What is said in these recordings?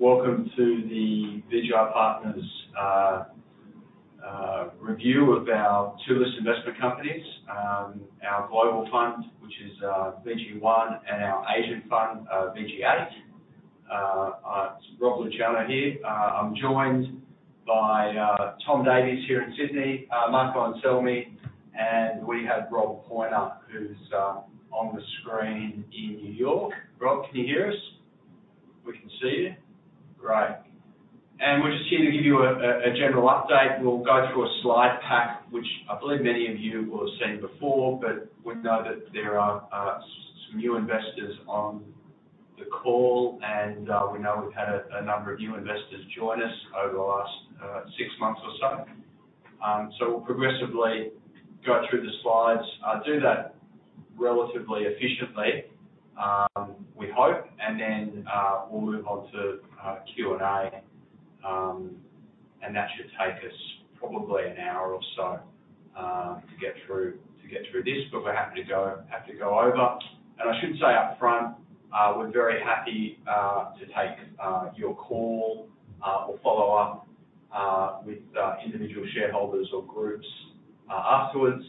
Welcome to the VGI Partners review of our two listed investment companies, our global fund, which is VG1, and our Asian fund, VG8. It's Rob Luciano here. I'm joined by Tom Davies here in Sydney, Marco Anselmi, and we have Rob Pioner, who's on the screen in New York. Rob, can you hear us? We can see you. Great. We're just here to give you a general update. We'll go through a slide pack, which I believe many of you will have seen before, but we know that there are some new investors on the call, and we know we've had a number of new investors join us over the last six months or so. We'll progressively go through the slides, do that relatively efficiently, we hope, and then we'll move on to Q&A, and that should take us probably an hour or so to get through this. If we happen to go over, and I should say up front, we're very happy to take your call or follow up with individual shareholders or groups afterwards.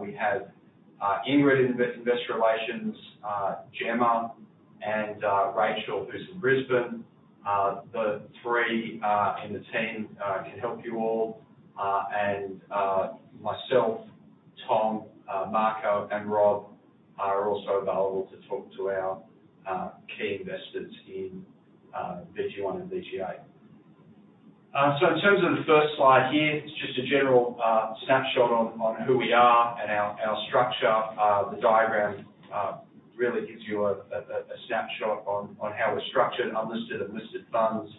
We have Ingrid in investor relations, Gemma, and Rachel, who's in Brisbane. The three in the team can help you all, and myself, Tom, Marco, and Rob are also available to talk to our key investors in VG1 and VG8. In terms of the first slide here, it's just a general snapshot on who we are and our structure. The diagram really gives you a snapshot on how we're structured, unlisted and listed funds.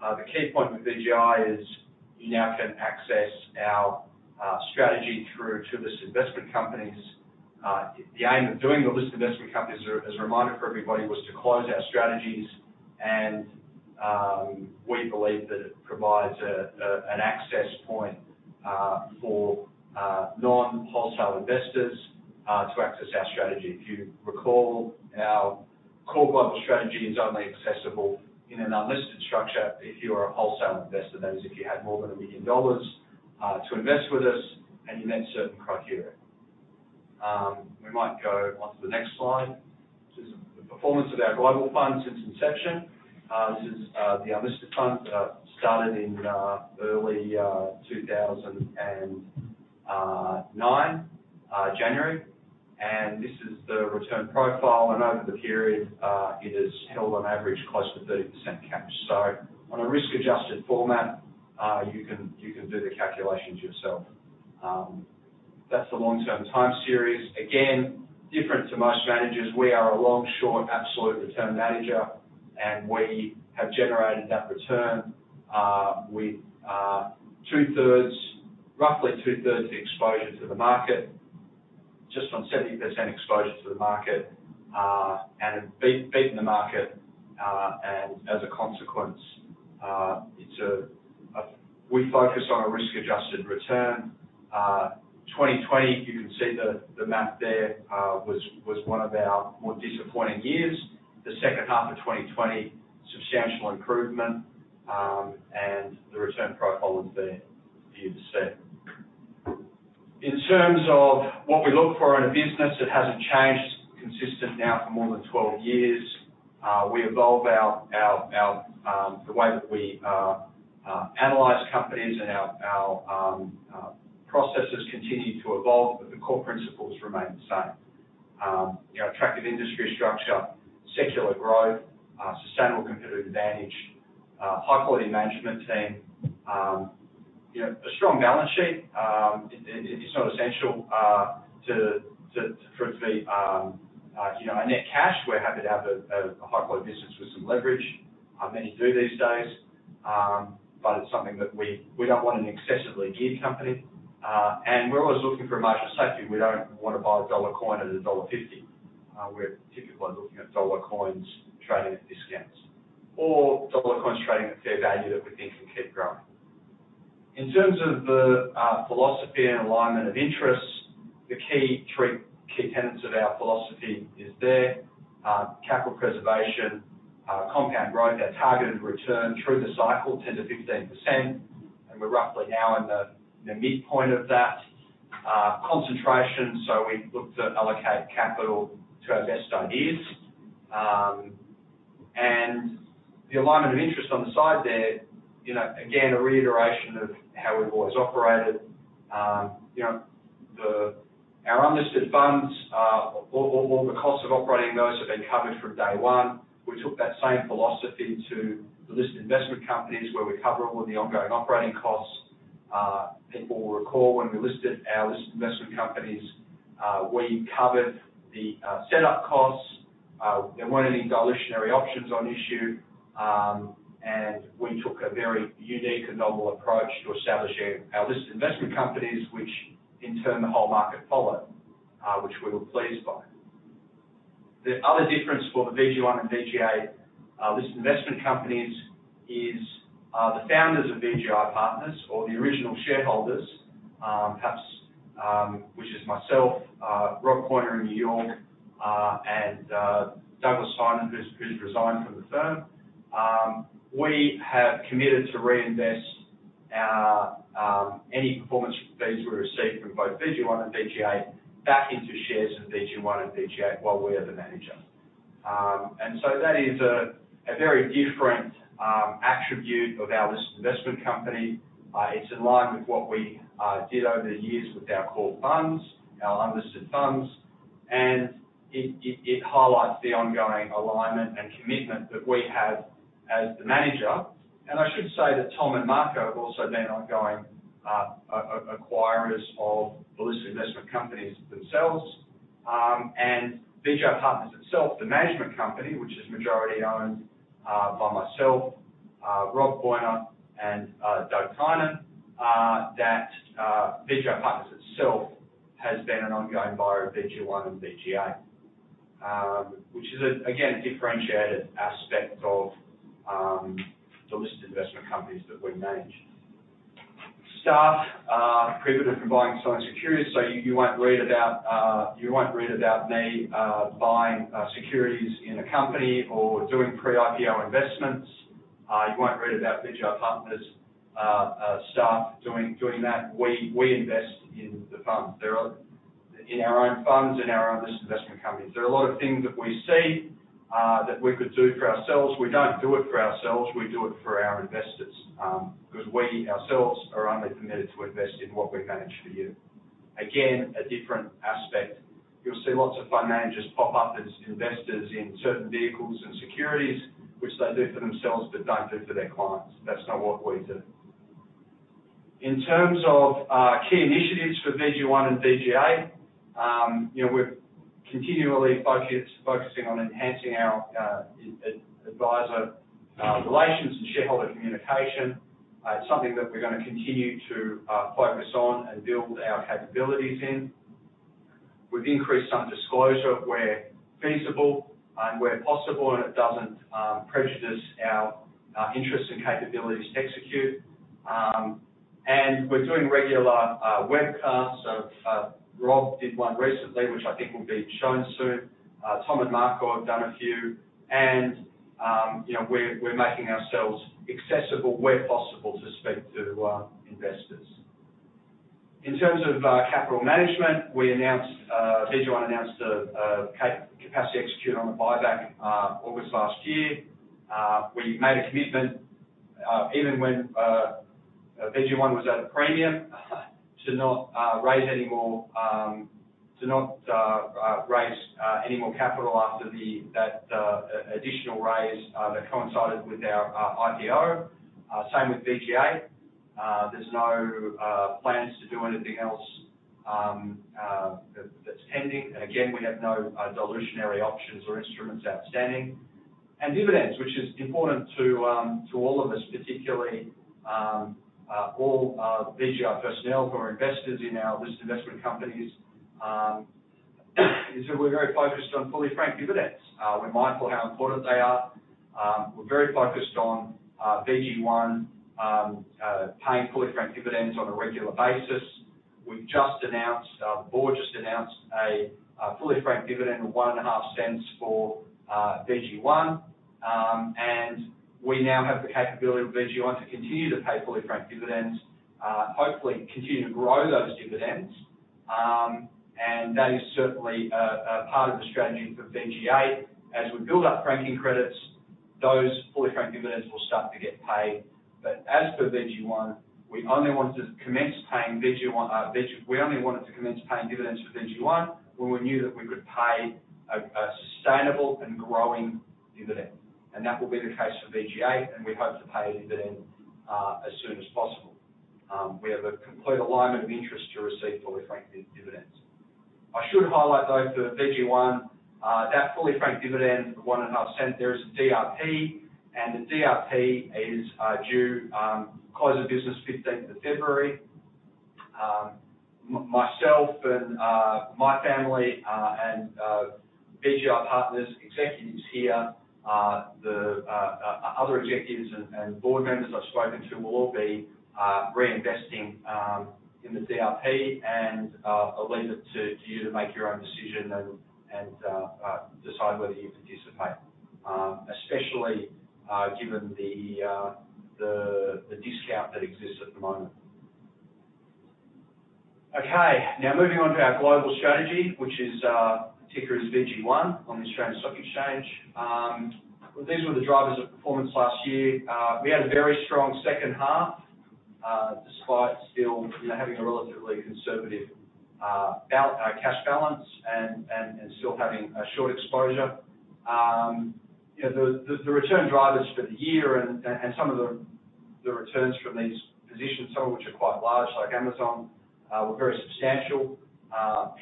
The key point with VGI is you now can access our strategy through two list investment companies. The aim of doing the list investment companies, as a reminder for everybody, was to close our strategies. We believe that it provides an access point for non-wholesale investors to access our strategy. If you recall, our core global strategy is only accessible in an unlisted structure if you are a wholesale investor. That is, if you had more than 1 million dollars to invest with us and you met certain criteria. We might go onto the next slide. This is the performance of our global fund since inception. This is the unlisted fund that started in early 2009, January. This is the return profile. Over the period, it has held on average close to 30% cash. On a risk-adjusted format, you can do the calculations yourself. That's the long-term time series. Again, different to most managers, we are a long, short, absolute return manager, and we have generated that return with roughly 2/3 the exposure to the market, just on 70% exposure to the market, and have beaten the market as a consequence. We focus on a risk-adjusted return. 2020, you can see the map there, was one of our more disappointing years. The second half of 2020, substantial improvement, and the return profile is there for you to see. In terms of what we look for in a business, it hasn't changed. Consistent now for more than 12 years. We evolve the way that we analyze companies, and our processes continue to evolve, but the core principles remain the same. Attractive industry structure, secular growth, sustainable competitive advantage, high-quality management team, a strong balance sheet. It's not essential for it to be net cash. We're happy to have a high-quality business with some leverage. Many do these days, but it's something that we don't want an excessively geared company. We're always looking for a margin of safety. We don't want to buy a dollar coin at dollar 1.50. We're typically looking at dollar coins trading at discounts or dollar coins trading at fair value that we think can keep growing. In terms of the philosophy and alignment of interests, the key three key tenets of our philosophy is there. Capital preservation, compound growth, our targeted return through the cycle, 10%-15%, and we're roughly now in the midpoint of that. Concentration, we look to allocate capital to our best ideas. The alignment of interest on the side there, again, a reiteration of how we've always operated. Our unlisted funds, all the costs of operating those have been covered from day one. We took that same philosophy to the listed investment companies where we cover all of the ongoing operating costs. People will recall when we listed our listed investment companies, we covered the setup costs. There weren't any dilutionary options on issue. We took a very unique and novel approach to establishing our listed investment companies, which in turn, the whole market followed, which we were pleased by. The other difference for the VG1 and VG8 listed investment companies is the founders of VGI Partners or the original shareholders, which is myself, Rob Pioner in New York, and Douglas Tynan, who's resigned from the firm. We have committed to reinvest any performance fees we receive from both VG1 and VG8 back into shares of VG1 and VG8 while we are the manager. That is a very different attribute of our listed investment company. It's in line with what we did over the years with our core funds, our unlisted funds, and it highlights the ongoing alignment and commitment that we have as the manager. I should say that Tom and Marco have also been ongoing acquirers of the listed investment companies themselves. VGI Partners itself, the management company, which is majority-owned by myself, Rob Pioner, and Douglas Tynan, that VGI Partners itself has been an ongoing buyer of VG1 and VG8, which is again, a differentiated aspect of the listed investment companies that we manage. Staff are prohibited from buying certain securities, so you won't read about me buying securities in a company or doing pre-IPO investments. You won't read about VGI Partners' staff doing that. We invest in the funds, in our own funds, in our own investment companies. There are a lot of things that we see that we could do for ourselves. We don't do it for ourselves, we do it for our investors, because we ourselves are only permitted to invest in what we manage for you. Again, a different aspect. You'll see lots of fund managers pop up as investors in certain vehicles and securities, which they do for themselves, but don't do for their clients. That's not what we do. In terms of key initiatives for VG1 and VG8, we're continually focusing on enhancing our advisor relations and shareholder communication. It's something that we're going to continue to focus on and build our capabilities in. We've increased some disclosure where feasible and where possible, and it doesn't prejudice our interest and capabilities to execute. We're doing regular webcasts. Rob did one recently, which I think will be shown soon. Tom and Marco have done a few. We're making ourselves accessible where possible to speak to investors. In terms of capital management, VG1 announced a capacity execute on a buyback August last year. We made a commitment even when VG1 was at a premium to not raise any more capital after that additional raise that coincided with our IPO. Same with VG8. There's no plans to do anything else that's pending. Again, we have no dilutionary options or instruments outstanding. Dividends, which is important to all of us, particularly all VGI personnel who are investors in our listed investment companies, is that we're very focused on fully franked dividends. We're mindful how important they are. We're very focused on VG1 paying fully franked dividends on a regular basis. The board just announced a fully franked dividend of 0.015 for VG1, and we now have the capability with VG1 to continue to pay fully franked dividends, hopefully, continue to grow those dividends, and that is certainly a part of the strategy for VG8. As we build up franking credits, those fully franked dividends will start to get paid. As for VG1, we only wanted to commence paying dividends for VG1 when we knew that we could pay a sustainable and growing dividend. That will be the case for VG8, and we hope to pay a dividend as soon as possible. We have a complete alignment of interest to receive fully franked dividends. I should highlight, though, for VG1, that fully franked dividend of 0.015 there is a DRP and the DRP is due close of business 15th of February. Myself and my family, and VGI Partners executives here, the other executives and board members I've spoken to will all be reinvesting in the DRP. I'll leave it to you to make your own decision and decide whether you participate, especially given the discount that exists at the moment. Moving on to our global strategy, which is ticker is VG1 on the Australian Securities Exchange. These were the drivers of performance last year. We had a very strong second half, despite still having a relatively conservative cash balance and still having a short exposure. The return drivers for the year and some of the returns from these positions, some of which are quite large, like Amazon, were very substantial.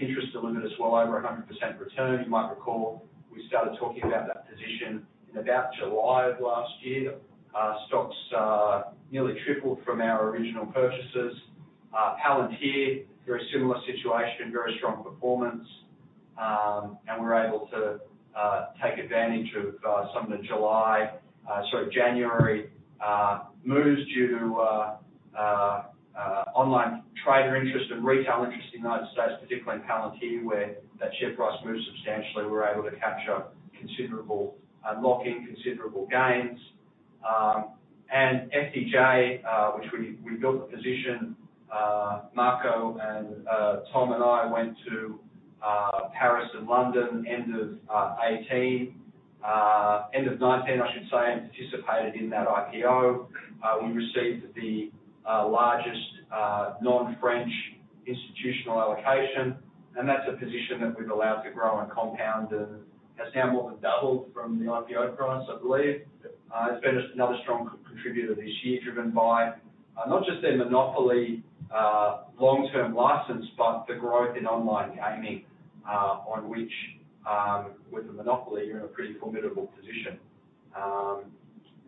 Pinterest delivered us well over 100% return. You might recall we started talking about that position in about July of last year. Stocks nearly tripled from our original purchases. Palantir, very similar situation, very strong performance. We were able to take advantage of some of the January moves due to online trader interest and retail interest in the U.S., particularly in Palantir, where that share price moved substantially. We were able to capture considerable unlocking, considerable gains. FDJ, which we built a position, Marco and Tom and I went to Paris and London end of 2018. End of 2019, I should say, and participated in that IPO. We received the largest non-French institutional allocation, that's a position that we've allowed to grow and compound and has now more than doubled from the IPO price, I believe. It's been another strong contributor this year driven by not just their monopoly long-term license, but the growth in online gaming, on which with a monopoly, you're in a pretty formidable position.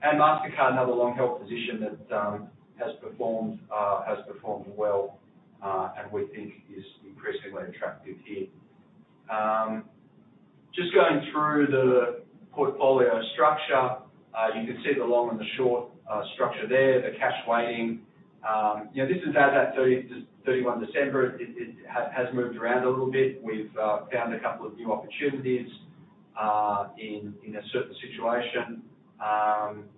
Mastercard, another long-held position that has performed well, and we think is increasingly attractive here. Just going through the portfolio structure. You can see the long and the short structure there, the cash weighting. This is as at 31 December. It has moved around a little bit. We've found a couple of new opportunities in a certain situation,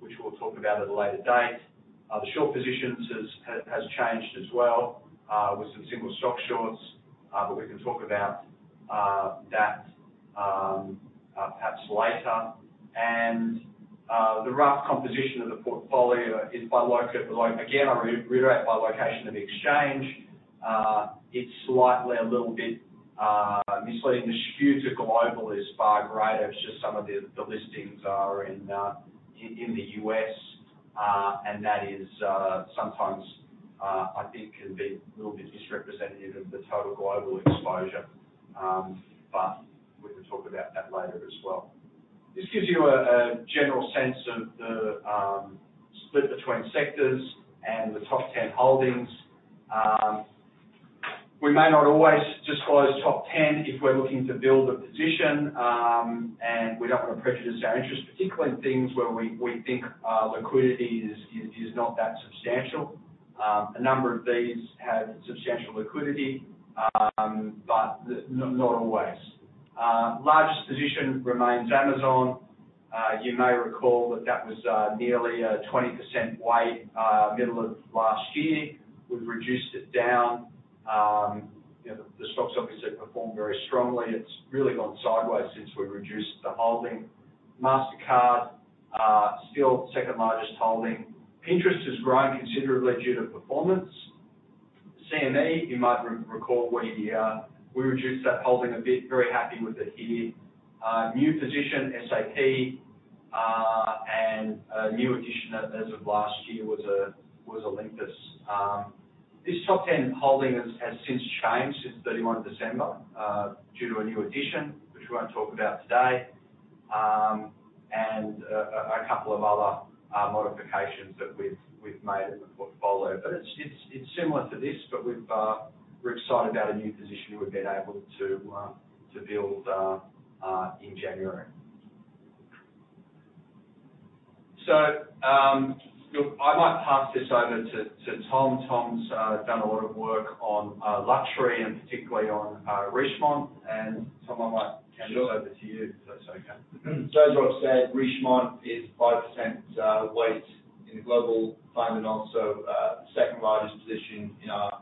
which we'll talk about at a later date. The short positions has changed as well with some single stock shorts, but we can talk about that perhaps later. The rough composition of the portfolio is by location. Again, I reiterate by location of exchange. It's slightly a little bit misleading. The skew to global is far greater. It's just some of the listings are in the U.S., and that is sometimes, I think, can be a little bit disrepresentative of the total global exposure. We can talk about that later as well. This gives you a general sense of the split between sectors and the top 10 holdings. We may not always disclose top 10 if we're looking to build a position, and we don't want to prejudice our interest, particularly in things where we think liquidity is not that substantial. A number of these have substantial liquidity, not always. Largest position remains Amazon. You may recall that that was nearly a 20% weight middle of last year. We've reduced it down. The stock's obviously performed very strongly. It's really gone sideways since we reduced the holding. Mastercard, still second largest holding. Interest has grown considerably due to performance. CME, you might recall we reduced that holding a bit. Very happy with it here. New position, SAP, a new addition as of last year was Olympus. This top 10 holding has since changed since 31 December due to a new addition, which we won't talk about today, and a couple of other modifications that we've made in the portfolio. It's similar to this, but we're excited about a new position we've been able to build in January. Look, I might pass this over to Tom. Tom's done a lot of work on luxury and particularly on Richemont. Tom, I might hand this over to you. Sure. As Rob said, Richemont is 5% weight in the global fund and also second largest position in our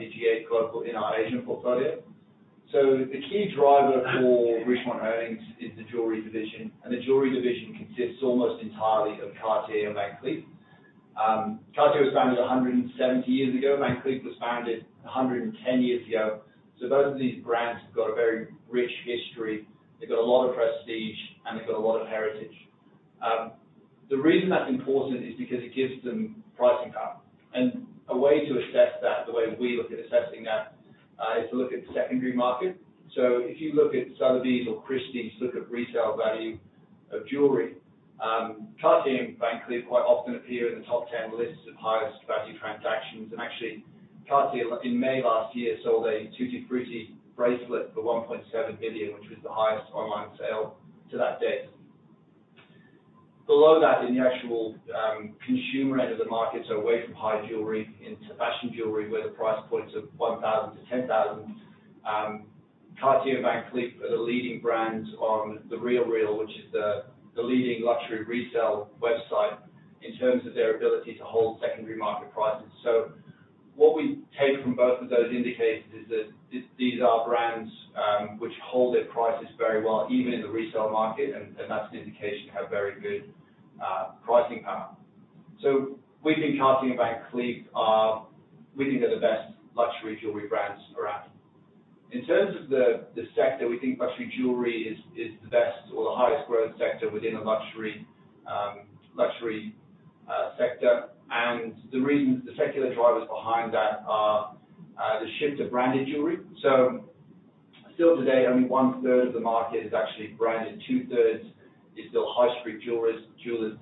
VG8 global in our Asian portfolio. The key driver for Richemont earnings is the jewelry division, and the jewelry division consists almost entirely of Cartier and Van Cleef. Cartier was founded 170 years ago. Van Cleef was founded 110 years ago. Both of these brands have got a very rich history. They've got a lot of prestige, and they've got a lot of heritage. The reason that's important is because it gives them pricing power. A way to assess that, the way we look at assessing that, is to look at the secondary market. If you look at Sotheby's or Christie's, look at resale value of jewelry. Cartier and Van Cleef quite often appear in the top 10 lists of highest value transactions. Actually, Cartier in May last year sold a Tutti Frutti bracelet for 1.7 million, which was the highest online sale to that date. Below that in the actual consumer end of the market, away from high jewelry into fashion jewelry, where the price points are 1,000-10,000. Cartier and Van Cleef are the leading brands on The RealReal, which is the leading luxury resale website in terms of their ability to hold secondary market prices. What we take from both of those indicators is that these are brands which hold their prices very well, even in the resale market, and that's an indication of very good pricing power. We think Cartier and Van Cleef, they're the best luxury jewelry brands around. In terms of the sector, we think luxury jewelry is the best or the highest growth sector within a luxury sector. The reasons, the secular drivers behind that are the shift to branded jewelry. Still today, only one-third of the market is actually branded 2/3. There's still high street jewelers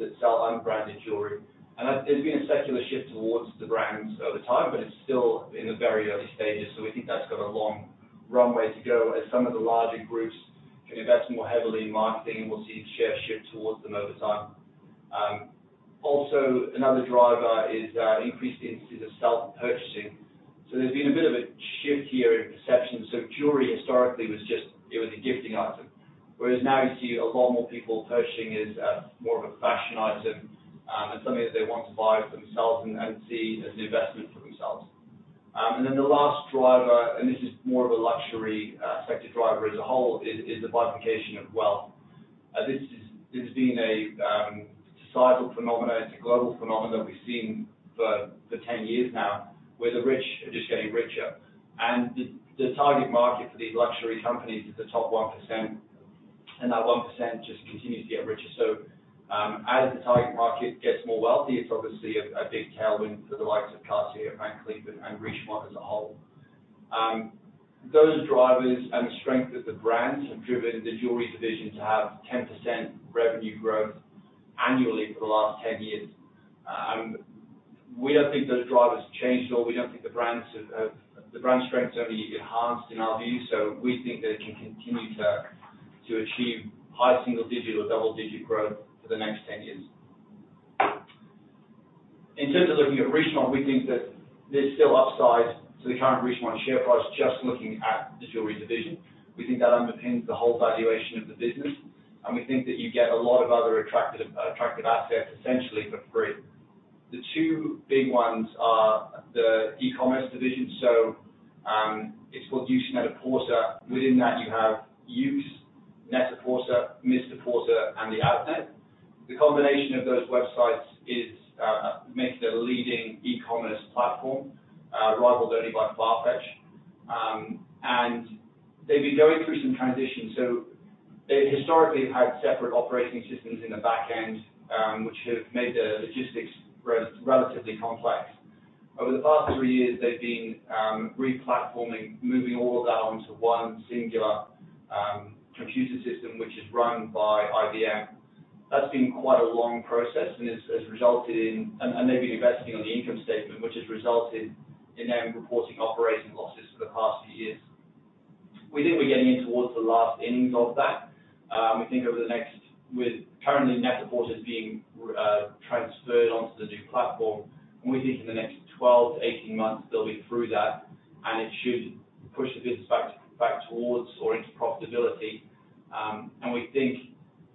that sell unbranded jewelry. There's been a secular shift towards the brands over time, but it's still in the very early stages. We think that's got a long runway to go as some of the larger groups can invest more heavily in marketing, and we'll see the share shift towards them over time. Also, another driver is increased instances of self-purchasing. There's been a bit of a shift here in perception. Jewelry historically was just a gifting item. Whereas now you see a lot more people purchasing it as more of a fashion item and something that they want to buy for themselves and see as an investment for themselves. The last driver, and this is more of a luxury sector driver as a whole, is the bifurcation of wealth. This has been a societal phenomenon. It's a global phenomenon we've seen for 10 years now, where the rich are just getting richer. The target market for these luxury companies is the top 1%, and that 1% just continues to get richer. As the target market gets more wealthy, it's obviously a big tailwind for the likes of Cartier, Van Cleef, and Richemont as a whole. Those drivers and the strength of the brands have driven the jewelry division to have 10% revenue growth annually for the last 10 years. We don't think those drivers have changed at all. We think the brand strength has only enhanced, in our view. We think they can continue to achieve high single digit or double-digit growth for the next 10 years. In terms of looking at Richemont, we think that there's still upside to the current Richemont share price, just looking at the jewelry division. We think that underpins the whole valuation of the business, and we think that you get a lot of other attractive assets essentially for free. The two big ones are the e-commerce division. It's called YOOX Net-a-Porter. Within that you have YOOX, NET-A-PORTER, MR PORTER, and THE OUTNET. The combination of those websites makes it a leading e-commerce platform, rivaled only by FARFETCH. They've been going through some transitions. They historically have had separate operating systems in the back end, which have made the logistics relatively complex. Over the past three years, they've been re-platforming, moving all of that onto one singular computer system, which is run by IBM. That's been quite a long process and has resulted in them investing on the income statement, which has resulted in them reporting operating losses for the past few years. We think we're getting in towards the last innings of that. With currently Net-a-Porter being transferred onto the new platform, and we think in the next 12-18 months they'll be through that and it should push the business back towards or into profitability. We think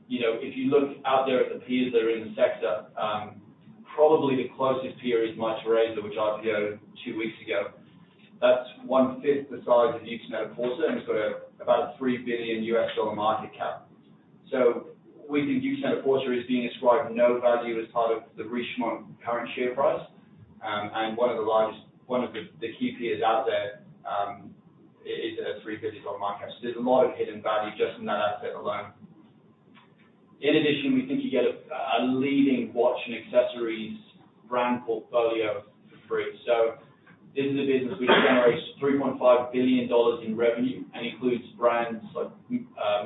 if you look out there at the peers that are in the sector, probably the closest peer is Mytheresa, which IPO'd two weeks ago. That's one-fifth the size of YOOX Net-a-Porter, and it's got about a $3 billion market cap. We think YOOX Net-a-Porter is being ascribed no value as part of the Richemont current share price. One of the key peers out there is at an 3 billion dollar market cap. There is a lot of hidden value just in that asset alone. In addition, we think you get a leading watch and accessories brand portfolio for free. This is a business which generates 3.5 billion dollars in revenue and includes brands like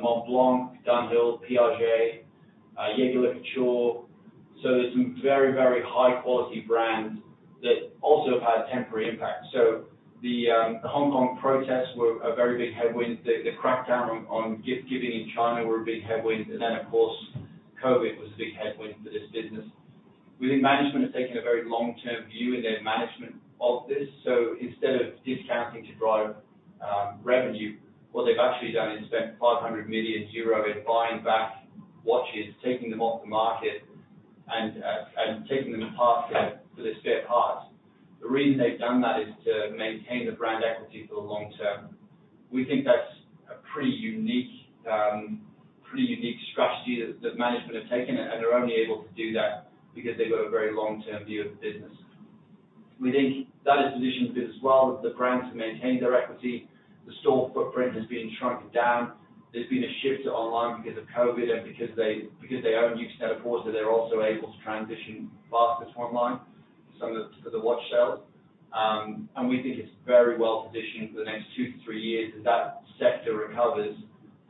Montblanc, dunhill, PRG, Jaeger-LeCoultre. There is some very high-quality brands that also have had temporary impact. The Hong Kong protests were a very big headwind. The crackdown on gift-giving in China were a big headwind. Of course, COVID was a big headwind for this business. We think management has taken a very long-term view in their management of this. Instead of discounting to drive revenue, what they've actually done is spent 500 million euro in buying back watches, taking them off the market, and taking them apart for the spare parts. The reason they've done that is to maintain the brand equity for the long term. We think that's a pretty unique strategy that management have taken, and they're only able to do that because they've got a very long-term view of the business. We think that has positioned the business well. The brands have maintained their equity. The store footprint has been shrunk down. There's been a shift to online because of COVID and because they own YOOX Net-a-Porter, they're also able to transition faster to online some of the watch sales. We think it's very well-positioned for the next two to three years as that sector recovers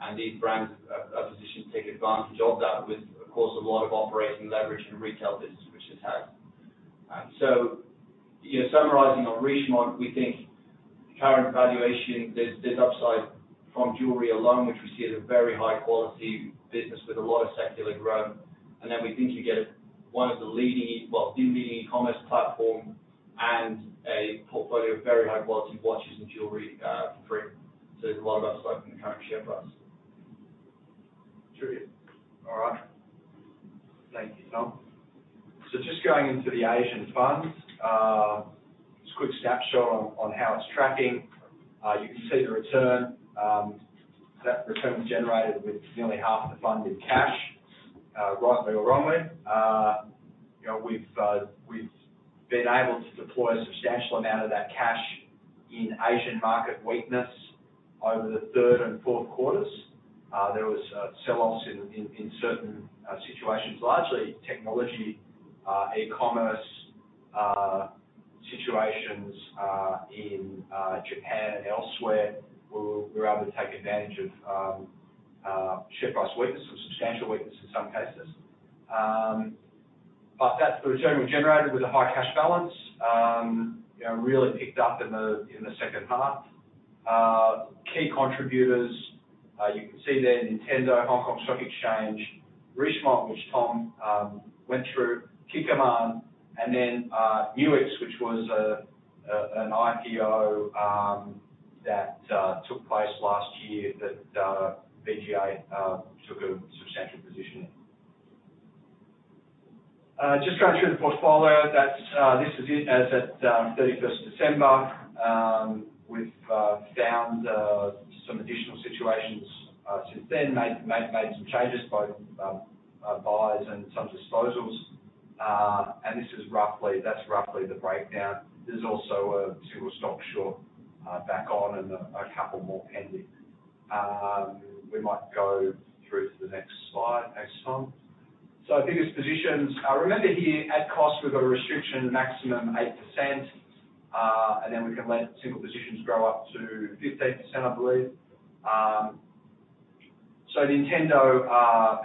and these brands are positioned to take advantage of that with, of course, a lot of operating leverage in the retail business, which it has. Summarizing on Richemont, we think current valuation, there's upside from jewelry alone, which we see as a very high-quality business with a lot of secular growth. Then we think you get one of the leading, well, the leading e-commerce platform and a portfolio of very high-quality watches and jewelry for free. There's a lot of upside from the current share price. Tristan. All right. Thank you, Tom. Just going into the Asian fund. Just a quick snapshot on how it's tracking. You can see the return. That return was generated with nearly half of the fund in cash. Rightly or wrongly, we've been able to deploy a substantial amount of that cash in Asian market weakness over the third and fourth quarters. There was sell-offs in certain situations, largely technology, e-commerce situations in Japan and elsewhere, we were able to take advantage of share price weakness or substantial weakness in some cases. That's the return we generated with a high cash balance. Really picked up in the second half. Key contributors, you can see there Nintendo, Hong Kong Stock Exchange, Richemont, which Tom went through, Kikkoman, and then UX, which was an IPO that took place last year that VG8 took a substantial position in. Just going through the portfolio. This is it as at 31st of December. We've found some additional situations since then. Made some changes, both buys and some disposals. That's roughly the breakdown. There's also a single stock short back on and a couple more pending. We might go through to the next slide. Thanks, Tom. Biggest positions. Remember here, at cost, we've got a restriction maximum 8%, and then we can let single positions grow up to 15%, I believe. Nintendo,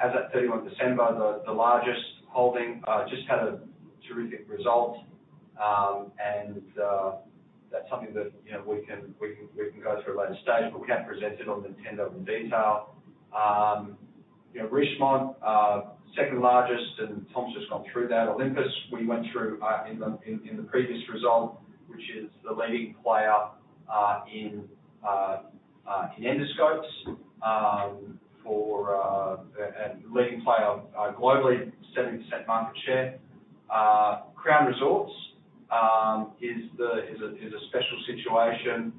as at 31 December, the largest holding, just had a terrific result. That's something that we can go through at a later stage. We can't present it on Nintendo in detail. Richemont, second largest, and Tom's just gone through that. Olympus, we went through in the previous result, which is the leading player in endoscopes and leading player globally, 70% market share. Crown Resorts is a special situation,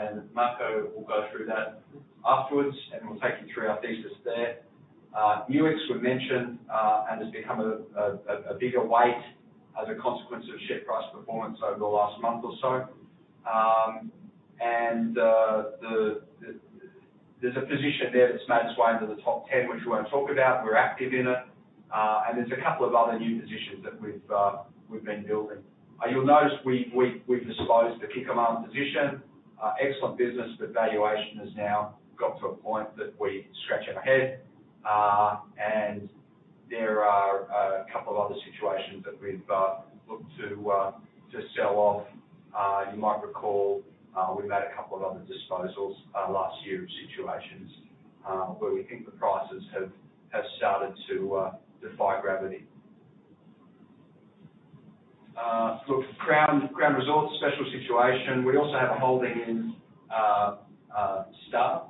and Marco will go through that afterwards, and we'll take you through our thesis there. UX we mentioned, has become a bigger weight as a consequence of share price performance over the last month or so. There's a position there that's made its way into the top 10, which we won't to talk about. We're active in it. There's a couple of other new positions that we've been building. You'll notice we've disposed the Kikkoman position. Excellent business, valuation has now got to a point that we stretch it ahead. There are a couple of other situations that we've looked to sell off. You might recall, we made a couple of other disposals last year of situations where we think the prices have started to defy gravity. Look, Crown Resorts, special situation. We also have a holding in Star.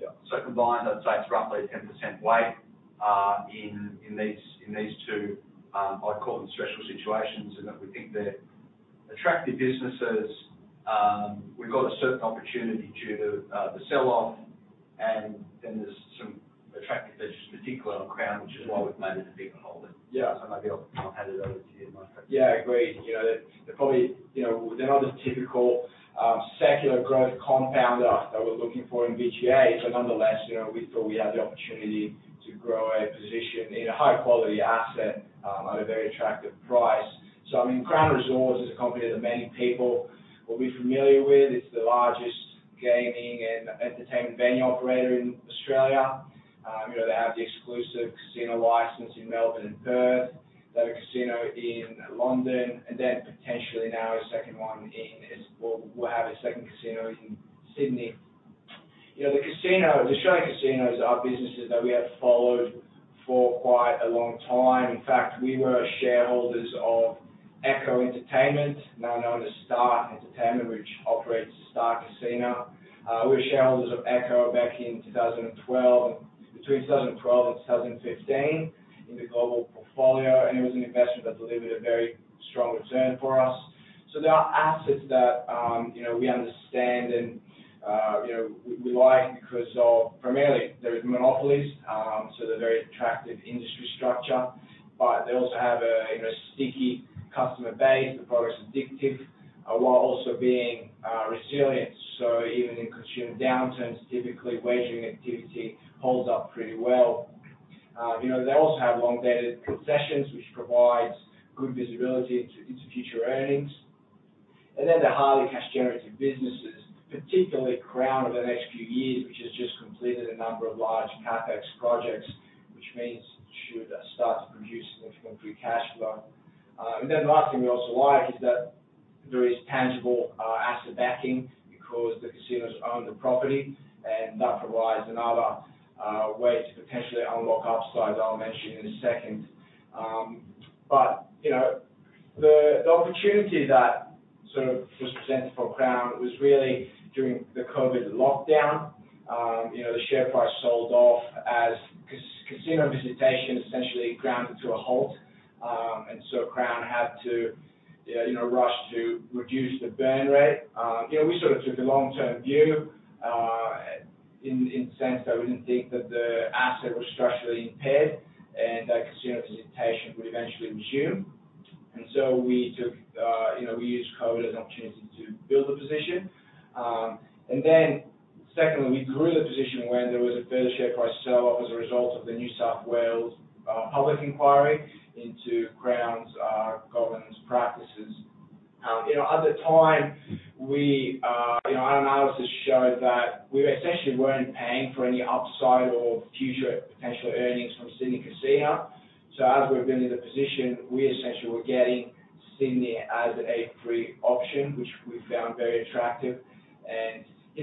Yeah. Combined, I'd say it's roughly a 10% weight in these two, I'd call them special situations, in that we think they're attractive businesses. We've got a certain opportunity due to the sell-off, there's some attractive features, particularly on Crown, which is why we've made it a bigger holding. Yeah. Maybe I'll hand it over to you, Marco. Yeah, agreed. They're not the typical secular growth compounder that we're looking for in BGA. Nonetheless, we thought we had the opportunity to grow a position in a high-quality asset at a very attractive price. Crown Resorts is a company that many people will be familiar with. It's the largest gaming and entertainment venue operator in Australia. They have the exclusive casino license in Melbourne and Perth. They have a casino in London, and then potentially now a second one in Sydney. The Australian casinos are businesses that we have followed for quite a long time. In fact, we were shareholders of Echo Entertainment, now known as Star Entertainment, which operates Star Casino. We were shareholders of Echo back in 2012, between 2012 and 2015, in the global portfolio. It was an investment that delivered a very strong return for us. They are assets that we understand and we like because of, primarily, they're monopolies. They're very attractive industry structure, they also have a sticky customer base. The product is addictive, while also being resilient. Even in consumer downturns, typically, wagering activity holds up pretty well. They also have long-dated concessions, which provides good visibility into future earnings. They're highly cash-generative businesses, particularly Crown over the next few years, which has just completed a number of large CapEx projects, which means it should start to produce significant free cash flow. The last thing we also like is that there is tangible asset backing because the casinos own the property, and that provides another way to potentially unlock upside that I'll mention in a second. The opportunity that sort of was presented for Crown was really during the COVID lockdown. The share price sold off as casino visitation essentially ground to a halt, and so Crown had to rush to reduce the burn rate. We sort of took a long-term view in the sense that we didn't think that the asset was structurally impaired and that casino visitation would eventually resume. We used co-Build a position. Secondly, we grew the position when there was a further share price sell-off as a result of the New South Wales public inquiry into Crown's governance practices. At the time, our analysis showed that we essentially weren't paying for any upside or future potential earnings from Crown Sydney Casino. As we've been in the position, we essentially were getting Crown Sydney as a free option, which we found very attractive.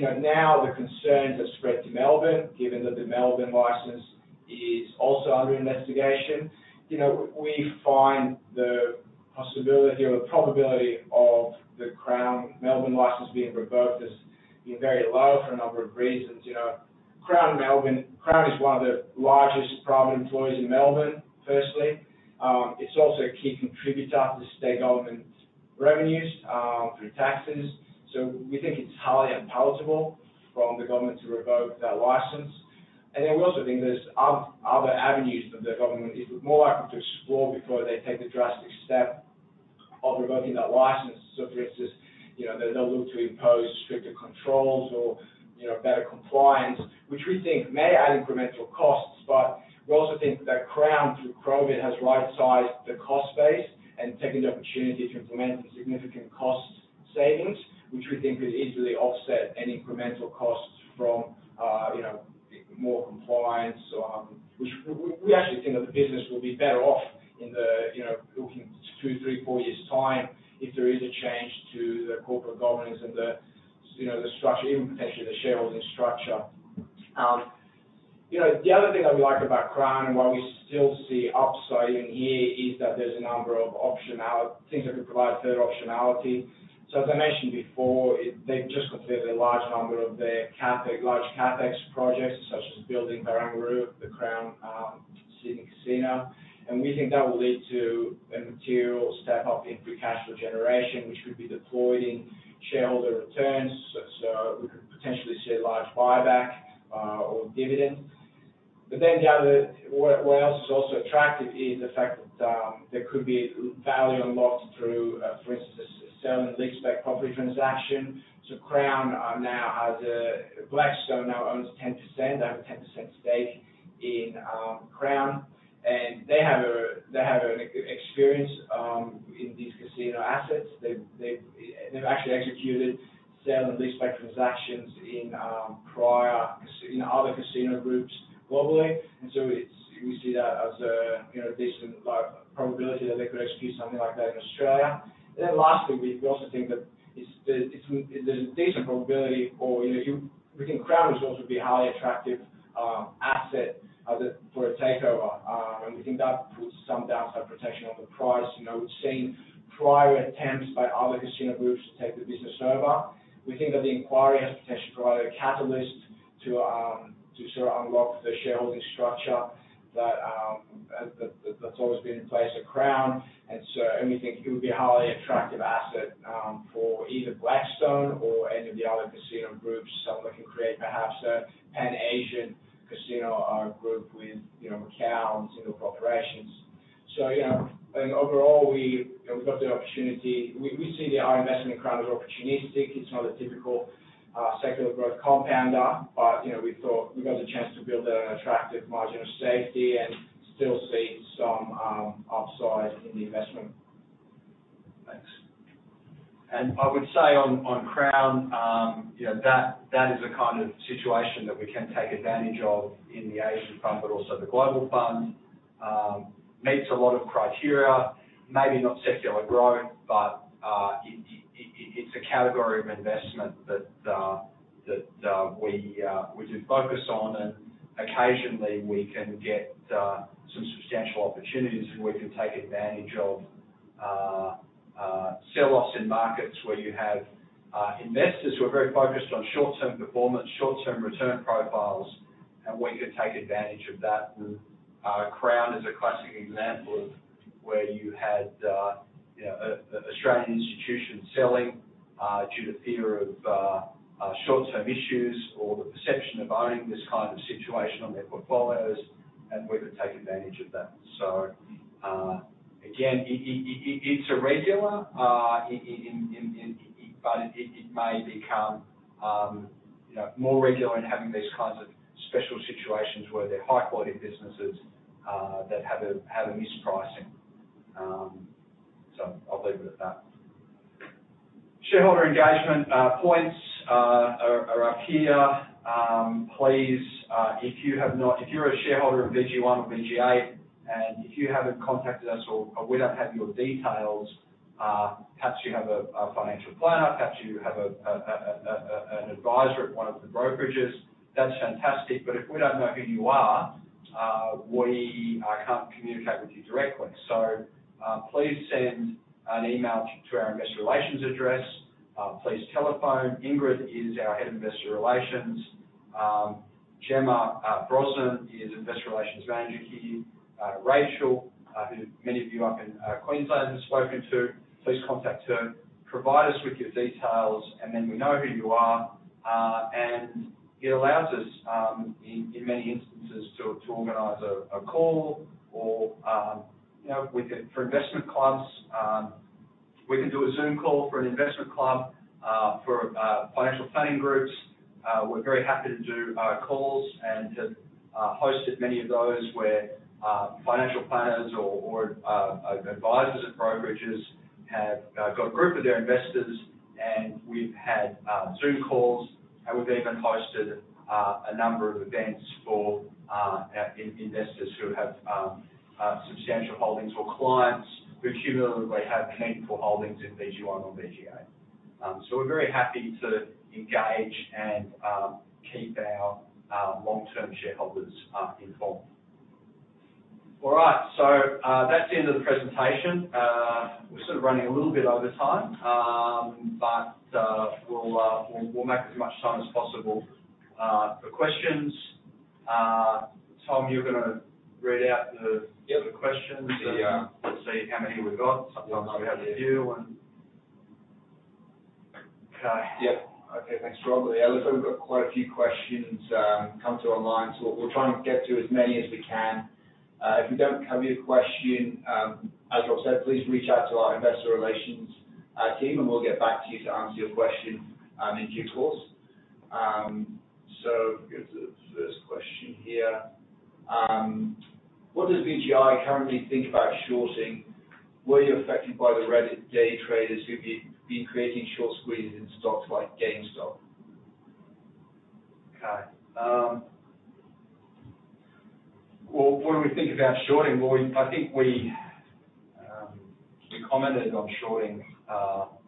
Now the concerns have spread to Melbourne, given that the Melbourne license is also under investigation. We find the possibility or the probability of the Crown Melbourne license being revoked as very low for a number of reasons. Crown is one of the largest private employers in Melbourne, firstly. It's also a key contributor to state government revenues through taxes. We think it's highly impalatable from the government to revoke that license. We also think there's other avenues that the government is more likely to explore before they take the drastic step of revoking that license. For instance, they'll look to impose stricter controls or better compliance, which we think may add incremental costs. We also think that Crown through COVID has right-sized the cost base and taken the opportunity to implement significant cost savings, which we think could easily offset any incremental costs from more compliance. We actually think that the business will be better off looking two, three, four years' time if there is a change to the corporate governance and even potentially the shareholding structure. The other thing that we like about Crown and why we still see upside even here is that there's a number of things that could provide further optionality. As I mentioned before, they've just completed a large number of their large CapEx projects such as building Barangaroo, the Crown Sydney Casino, and we think that will lead to a material step-up in free cash flow generation, which could be deployed in shareholder returns. We could potentially see a large buyback or dividend. What else is also attractive is the fact that there could be value unlocked through, for instance, a sale and leaseback property transaction. Blackstone now owns 10%, they have a 10% stake in Crown, and they have experience in these casino assets. They've actually executed sale and leaseback transactions in other casino groups globally, we see that as a decent probability that they could execute something like that in Australia. Lastly, we also think that there's a decent probability, or we think Crown would also be a highly attractive asset for a takeover. We think that puts some downside protection on the price. We've seen prior attempts by other casino groups to take the business over. We think that the inquiry has the potential to provide a catalyst to unlock the shareholding structure that's always been in place at Crown. We think it would be a highly attractive asset for either Blackstone or any of the other casino groups, someone that can create perhaps a Pan-Asian casino group with Macau and Singapore operations. Overall, we've got the opportunity. We see the investment in Crown as opportunistic. It's not a typical secular growth compounder, but we thought we got the chance to build an attractive margin of safety and still see some upside in the investment. Thanks. I would say on Crown, that is a kind of situation that we can take advantage of in the Asian fund, but also the global fund. Meets a lot of criteria, maybe not secular growth, but it's a category of investment that we do focus on, and occasionally we can get some substantial opportunities where we can take advantage of sell-offs in markets where you have investors who are very focused on short-term performance, short-term return profiles, and we can take advantage of that. Crown is a classic example of where you had an Australian institution selling due to fear of short-term issues or the perception of owning this kind of situation on their portfolios, and we can take advantage of that. Again, it's irregular, but it may become more regular in having these kinds of special situations where they're high-quality businesses that have a mispricing. I'll leave it at that. Shareholder engagement points are up here. Please, if you're a shareholder of VG1 or VG8, and if you haven't contacted us or we don't have your details, perhaps you have a financial planner, perhaps you have an advisor at one of the brokerages, that's fantastic. If we don't know who you are, we can't communicate with you directly. Please send an email to our investor relations address. Please telephone. Ingrid is our head of investor relations. Gemma Brosnan is investor relations manager here. Rachel, who many of you up in Queensland have spoken to, please contact her. Provide us with your details, and then we know who you are. It allows us, in many instances, to organize a call or for investment clubs, we can do a Zoom call for an investment club, for financial planning groups. We're very happy to do calls and have hosted many of those where financial planners or advisors at brokerages have got a group of their investors, and we've had Zoom calls, and we've even hosted a number of events for our investors who have substantial holdings or clients who cumulatively have meaningful holdings in VG1 or VG8. We're very happy to engage and keep our long-term shareholders involved. All right, that's the end of the presentation. We're sort of running a little bit over time, but we'll make as much time as possible for questions. Tom, you're going to read out the- Yep Questions and- The- Let's see how many we've got. Yeah. Sometimes we have a few and Okay. Okay, thanks, Rob. Looks like we've got quite a few questions come through online, so we'll try and get to as many as we can. If we don't cover your question, as Rob said, please reach out to our investor relations team and we'll get back to you to answer your question in due course. Go to the first question here. What does VGI currently think about shorting? Were you affected by the Reddit day traders who've been creating short squeezes in stocks like GameStop? Okay. Well, what do we think about shorting? I think we commented on shorting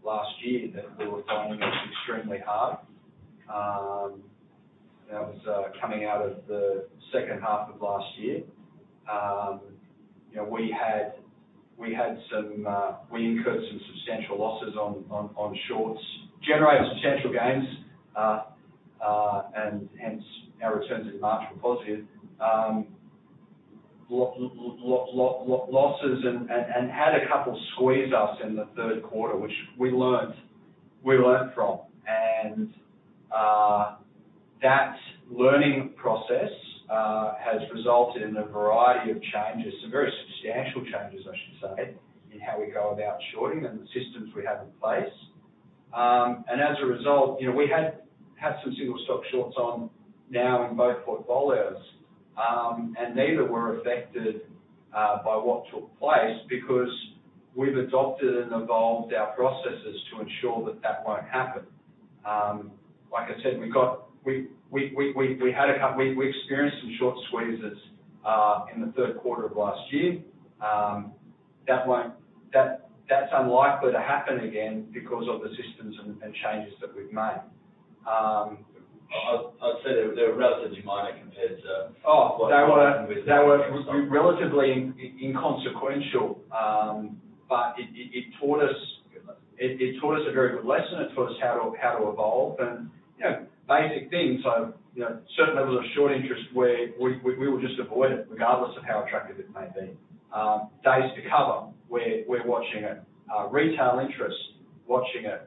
last year that we were finding it extremely hard. That was coming out of the second half of last year. We incurred some substantial losses on shorts, generated substantial gains, and hence our returns in March were positive, losses and had a couple squeeze us in the third quarter, which we learned from. That learning process has resulted in a variety of changes, some very substantial changes I should say, in how we go about shorting and the systems we have in place. As a result, we had some single stock shorts on now in both portfolios, and neither were affected by what took place because we've adopted and evolved our processes to ensure that that won't happen. Like I said, we experienced some short squeezes in the third quarter of last year. That's unlikely to happen again because of the systems and changes that we've made. I'd say they were relatively minor compared to. Oh, they were- What happened? They were relatively inconsequential. It taught us a very good lesson. It taught us how to evolve and basic things. Certain levels of short interest where we will just avoid it regardless of how attractive it may be. Days to cover, we're watching it. Retail interest, watching it.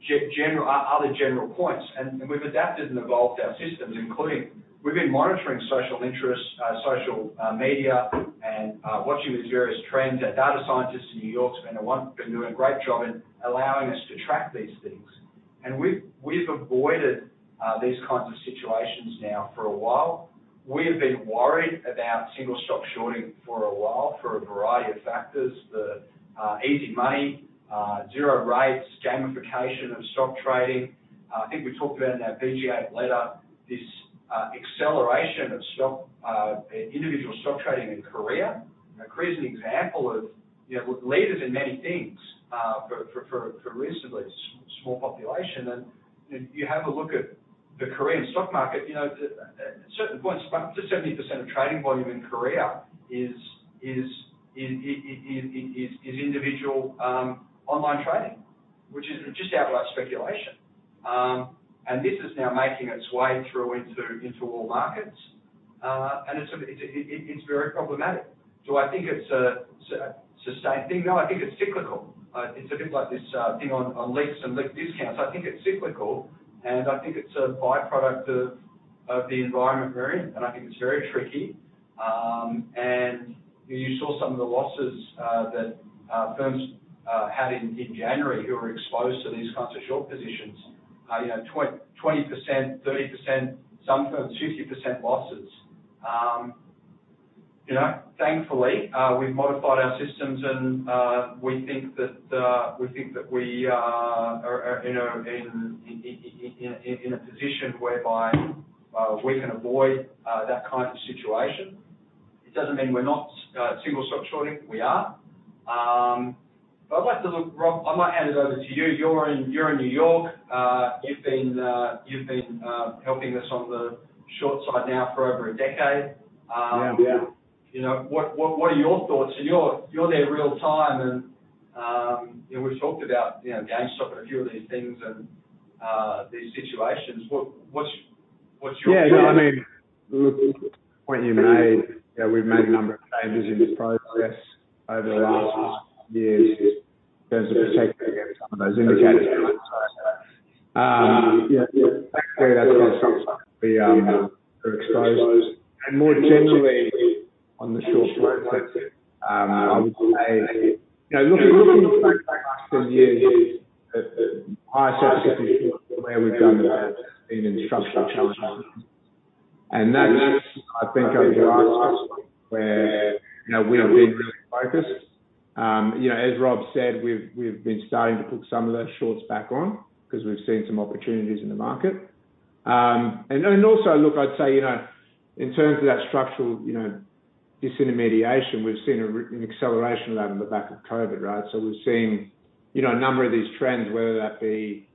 Other general points. We've adapted and evolved our systems, including we've been monitoring social interest, social media, and watching these various trends. Our data scientists in New York have been doing a great job in allowing us to track these things. We've avoided these kinds of situations now for a while. We have been worried about single stock shorting for a while for a variety of factors. The easy money, zero rates, gamification of stock trading. I think we talked about in our VGI letter, this acceleration of individual stock trading in Korea. Korea's an example of leaders in many things, for reasonably small population and you have a look at the Korean stock market, at certain points up to 70% of trading volume in Korea is individual online trading, which is just out-and-out speculation. This is now making its way through into all markets. It's very problematic. Do I think it's a sustained thing? No, I think it's cyclical. It's a bit like this thing on leaks and leak discounts. I think it's cyclical, and I think it's a by-product of the environment we're in, and I think it's very tricky. You saw some of the losses that firms had in January who were exposed to these kinds of short positions. 20%, 30%, some firms 50% losses. Thankfully, we've modified our systems and we think that we are in a position whereby we can avoid that kind of situation. It doesn't mean we're not single stock shorting, we are. I'd like to look, Rob, I might hand it over to you. You're in New York. You've been helping us on the short side now for over a decade. Yeah. What are your thoughts? You're there real time and we've talked about GameStop and a few of these things and these situations. No, look, the point you made, we've made a number of changes in the process over the last six months, years, in terms of protecting against some of those indicators. Actually, that's been something we are exposed. More generally, on the short side of things, I would say, looking back the last 10 years at higher circumstances where we've done that, it's been in structural challenges. That's, I think, over the last 12 months where we've been really focused. As Rob said, we've been starting to put some of those shorts back on because we've seen some opportunities in the market. Also, look, I'd say, in terms of that structural disintermediation, we've seen an acceleration of that on the back of COVID, right? We've seen a number of these trends, whether that be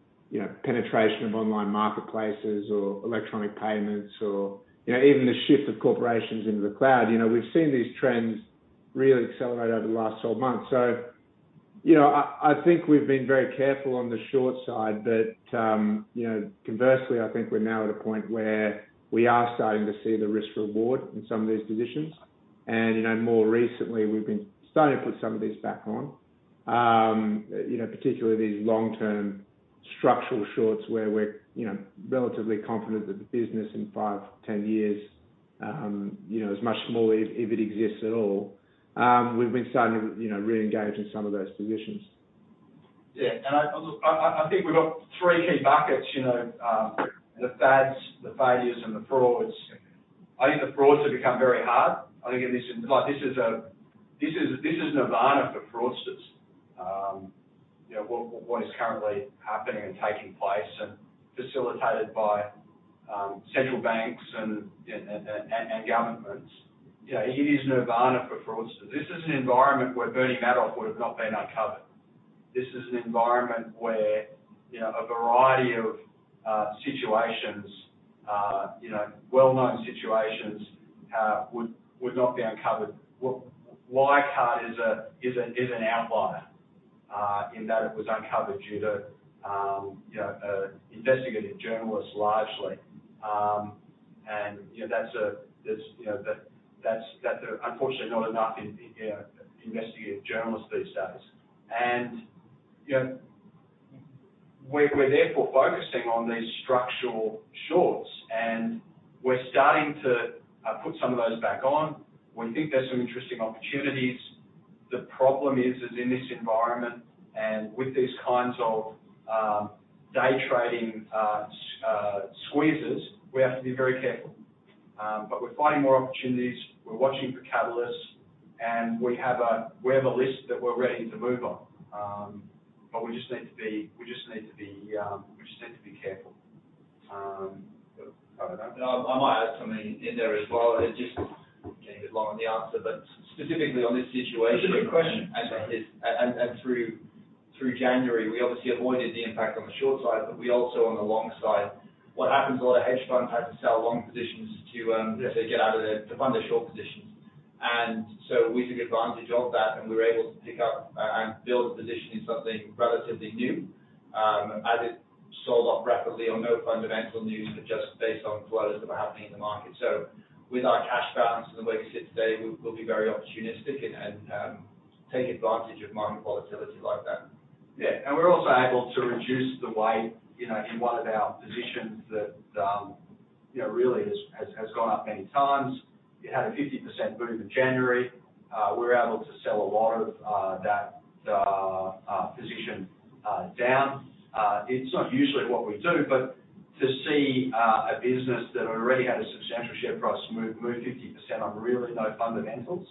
penetration of online marketplaces or electronic payments or even the shift of corporations into the cloud. We've seen these trends really accelerate over the last 12 months. I think we've been very careful on the short side. Conversely, I think we're now at a point where we are starting to see the risk-reward in some of these positions. More recently, we've been starting to put some of this back on. Particularly these long-term structural shorts where we're relatively confident that the business in five, 10 years is much smaller, if it exists at all. We've been starting to re-engage in some of those positions. Yeah. Look, I think we've got three key buckets. The fads, the failures and the frauds. I think the frauds have become very hard. This is nirvana for fraudsters. What is currently happening and taking place and facilitated by central banks and governments. It is nirvana for fraudsters. This is an environment where Bernie Madoff would have not been uncovered. This is an environment where a variety of situations, well-known situations, would not be uncovered. Wirecard is an outlier, in that it was uncovered due to investigative journalists largely. There's unfortunately not enough investigative journalists these days. We're therefore focusing on these structural shorts, and we're starting to put some of those back on. We think there's some interesting opportunities. The problem is in this environment and with these kinds of day trading squeezes, we have to be very careful. We're finding more opportunities. We're watching for catalysts. We have a list that we're ready to move on. We just need to be careful. Over to you. I might add something in there as well. Just getting a bit long in the answer, but specifically on this situation. It's a good question. Through January, we obviously avoided the impact on the short side, but we also on the long side. What happens, a lot of hedge funds had to sell long positions. Yes Get out of the, to fund their short positions. We took advantage of that, and we were able to pick up and build a position in something relatively new, as it sold off rapidly on no fundamental news, but just based on flows that were happening in the market. With our cash balance and the way we sit today, we'll be very opportunistic and take advantage of market volatility like that. Yeah. We're also able to reduce the weight in one of our positions that really has gone up many times. It had a 50% boom in January. We were able to sell a lot of that position down. It's not usually what we do, but to see a business that already had a substantial share price move 50% on really no fundamentals.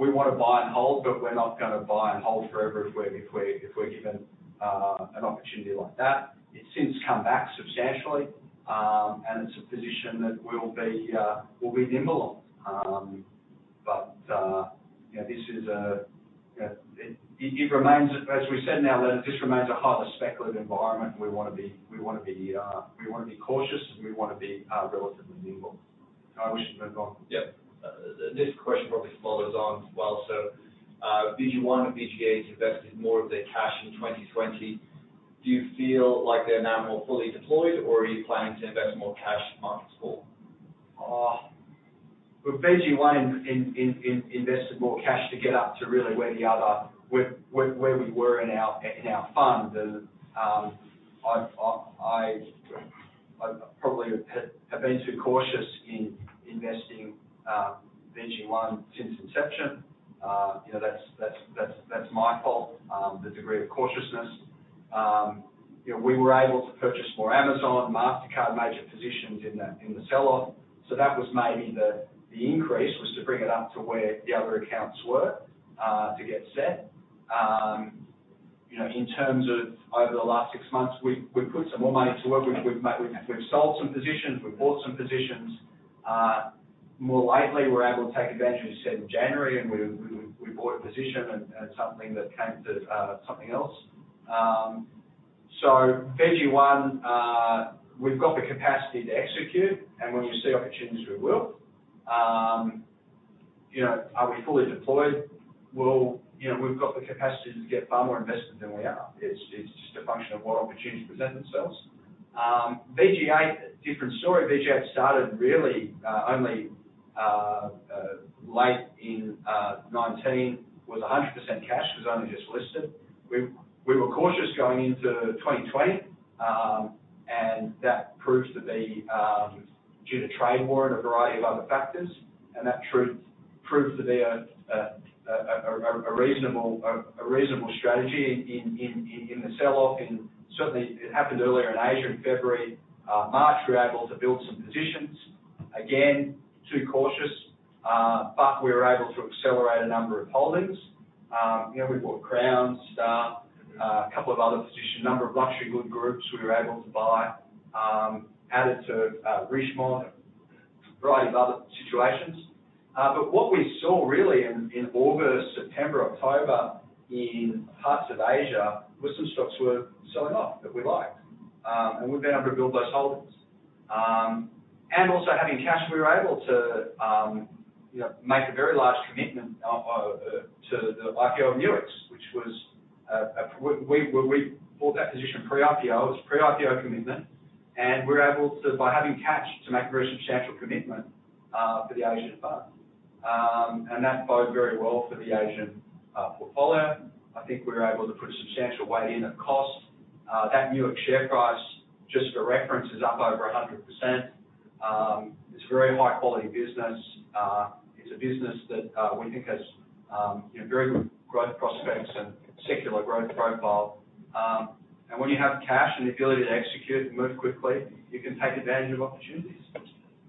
We want to buy and hold, but we're not going to buy and hold forever if we're given an opportunity like that. It's since come back substantially, and it's a position that we'll be nimble on. As we said in our letter, this remains a highly speculative environment, and we want to be cautious, and we want to be relatively nimble. I don't know if we should move on. Yeah. This question probably follows on as well. VG1 and VG8 invested more of their cash in 2020. Do you feel like they're now more fully deployed, or are you planning to invest more cash going forward? VG1 invested more cash to get up to really where the other, where we were in our fund. I probably have been too cautious in investing VG1 since inception. That's my fault, the degree of cautiousness. We were able to purchase more Amazon, Mastercard, major positions in the sell-off. That was maybe the increase, was to bring it up to where the other accounts were, to get set. In terms of over the last six months, we've put some more money to work. We've sold some positions. We've bought some positions. More lately, we were able to take advantage, as you said, in January, and we bought a position and something that came to something else. VG1, we've got the capacity to execute, and when we see opportunities, we will. Are we fully deployed? Well, we've got the capacity to get far more invested than we are. It's just a function of what opportunities present themselves. VG8, different story. VG8 started really only late in 2019, was 100% cash, was only just listed. We were cautious going into 2020, and that proved to be due to trade war and a variety of other factors, and that proved to be a reasonable strategy in the sell-off in, certainly, it happened earlier in Asia in February. March, we were able to build some positions. Again, too cautious, but we were able to accelerate a number of holdings. We bought Crown, Star, a couple of other positions, a number of luxury good groups we were able to buy, added to Richemont, a variety of other situations. What we saw really in August, September, October in parts of Asia was some stocks were selling off that we liked, and we've been able to build those holdings. Also having cash, we were able to make a very large commitment to the IPO of Newegg. We bought that position pre-IPO, it was a pre-IPO commitment, and we were able to, by having cash, to make a very substantial commitment for the Asian fund. That bode very well for the Asian portfolio. I think we were able to put a substantial weight in at cost. That Newegg share price, just for reference, is up over 100%. It's a very high-quality business. It's a business that we think has very good growth prospects and secular growth profile. When you have cash and the ability to execute and move quickly, you can take advantage of opportunities.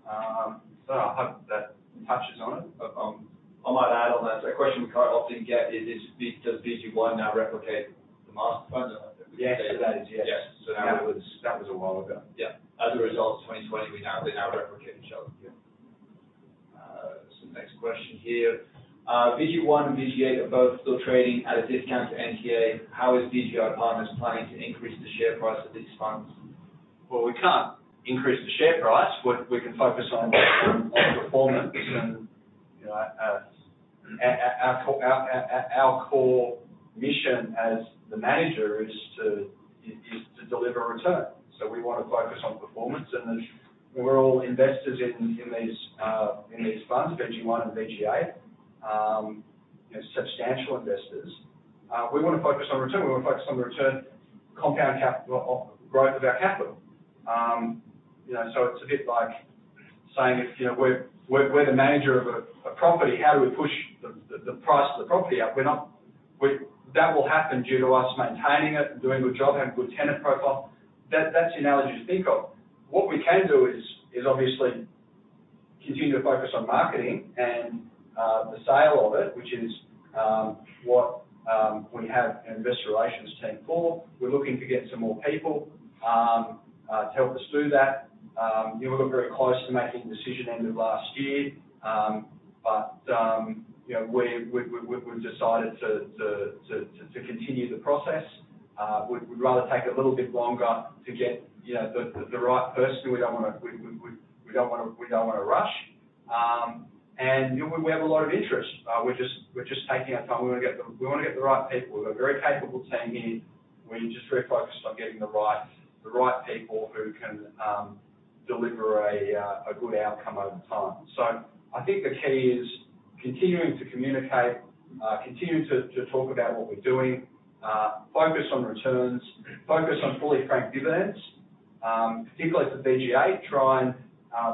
I hope that touches on it. I might add on that, a question we quite often get is, does VG1 now replicate the Master fund? The answer to that is yes. Yes. That was a while ago. Yeah. As a result of 2020, they now replicate each other, yeah. Next question here. VG1 and VGA are both still trading at a discount to NTA. How is VGI Partners planning to increase the share price of these funds? Well, we can't increase the share price. What we can focus on is performance and our core mission as the manager is to deliver a return. We want to focus on performance, and we're all investors in these funds, VG1 and VGA, substantial investors. We want to focus on return. We want to focus on the return compound growth of our capital. It's a bit like saying if we're the manager of a property, how do we push the price of the property up? That will happen due to us maintaining it and doing a good job, having a good tenant profile. That's the analogy to think of. What we can do is obviously continue to focus on marketing and the sale of it, which is what we have an investor relations team for. We're looking to get some more people to help us do that. We were very close to making a decision end of last year, we've decided to continue the process. We'd rather take a little bit longer to get the right person. We don't want to rush. We have a lot of interest. We're just taking our time. We want to get the right people. We've got a very capable team here. We're just very focused on getting the right people who can deliver a good outcome over time. I think the key is continuing to communicate, continue to talk about what we're doing, focus on returns, focus on fully franked dividends, particularly for VG8, try and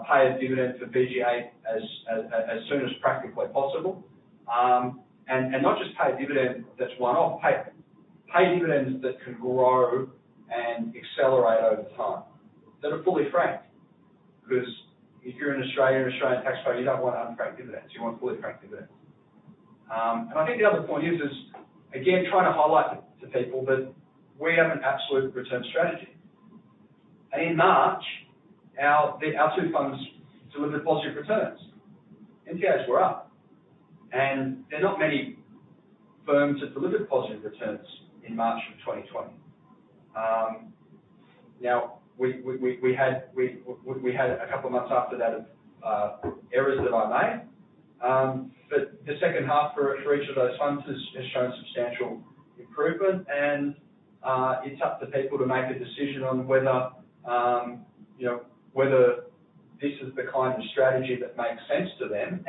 pay a dividend for VG8 as soon as practically possible. Not just pay a dividend that's one-off, pay dividends that can grow and accelerate over time, that are fully franked. Because if you're an Australian taxpayer, you don't want unfranked dividends. You want fully franked dividends. I think the other point is, again, trying to highlight to people that we have an absolute return strategy. In March, our two funds delivered positive returns. NTAs were up, and there are not many firms that delivered positive returns in March of 2020. We had a couple of months after that of errors that I made. The second half for each of those funds has shown substantial improvement, and it's up to people to make a decision on whether this is the kind of strategy that makes sense to them.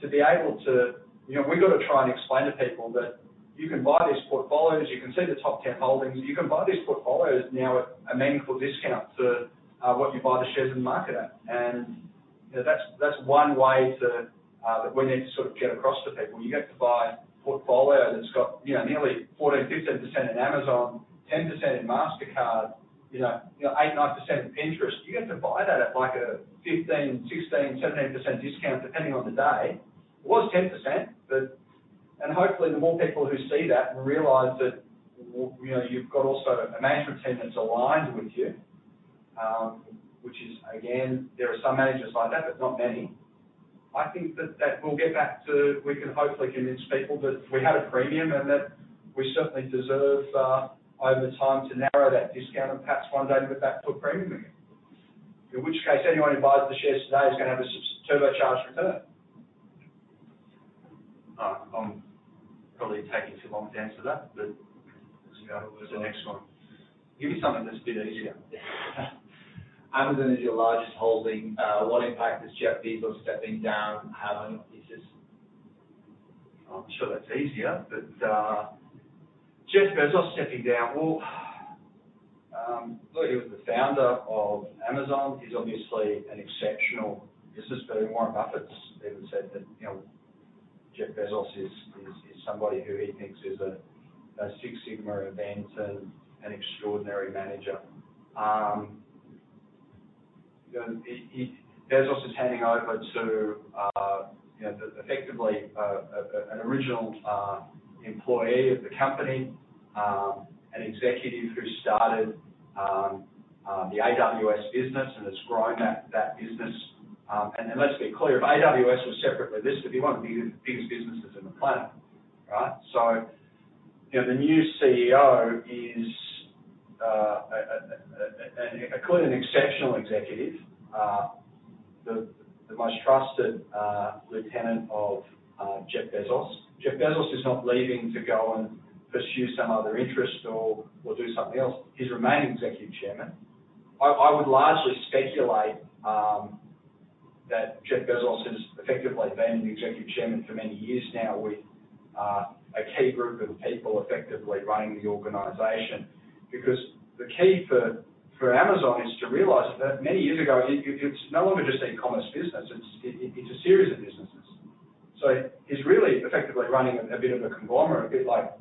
We've got to try and explain to people that you can buy these portfolios, you can see the top 10 holdings, you can buy these portfolios now at a meaningful discount to what you buy the shares in the market at. That's one way that we need to get across to people. You get to buy a portfolio that's got nearly 14%-15% in Amazon, 10% in Mastercard, 8%-9% in Pinterest. You get to buy that at a 15%, 16%, 17% discount, depending on the day. It was 10%. Hopefully the more people who see that and realize that you've got also a management team that's aligned with you, which is, again, there are some managers like that, but not many. We can hopefully convince people that we had a premium and that we certainly deserve, over time, to narrow that discount and perhaps one day be back to a premium again. In which case, anyone who buys the shares today is going to have a turbo-charged return. I'm probably taking too long to answer that. Let's go to the next one. Give me something that's a bit easier. Amazon is your largest holding. What impact does Jeff Bezos stepping down have on thesis? I'm not sure that's easier, Jeff Bezos stepping down. Well, look, he was the founder of Amazon. He's obviously an exceptional business baron. Warren Buffett's even said that Jeff Bezos is somebody who he thinks is a Six Sigma event and an extraordinary manager. Bezos is handing over to effectively an original employee of the company, an executive who started the AWS business and has grown that business. Let's be clear, if AWS was separately listed, it'd be one of the biggest businesses on the planet, right? The new CEO is clearly an exceptional executive, the most trusted lieutenant of Jeff Bezos. Jeff Bezos is not leaving to go and pursue some other interest or do something else. He's remaining Executive Chairman. I would largely speculate that Jeff Bezos has effectively been the executive chairman for many years now with a key group of people effectively running the organization. The key for Amazon is to realize that many years ago, it's no longer just an e-commerce business, it's a series of businesses. He's really effectively running a bit of a conglomerate, a bit like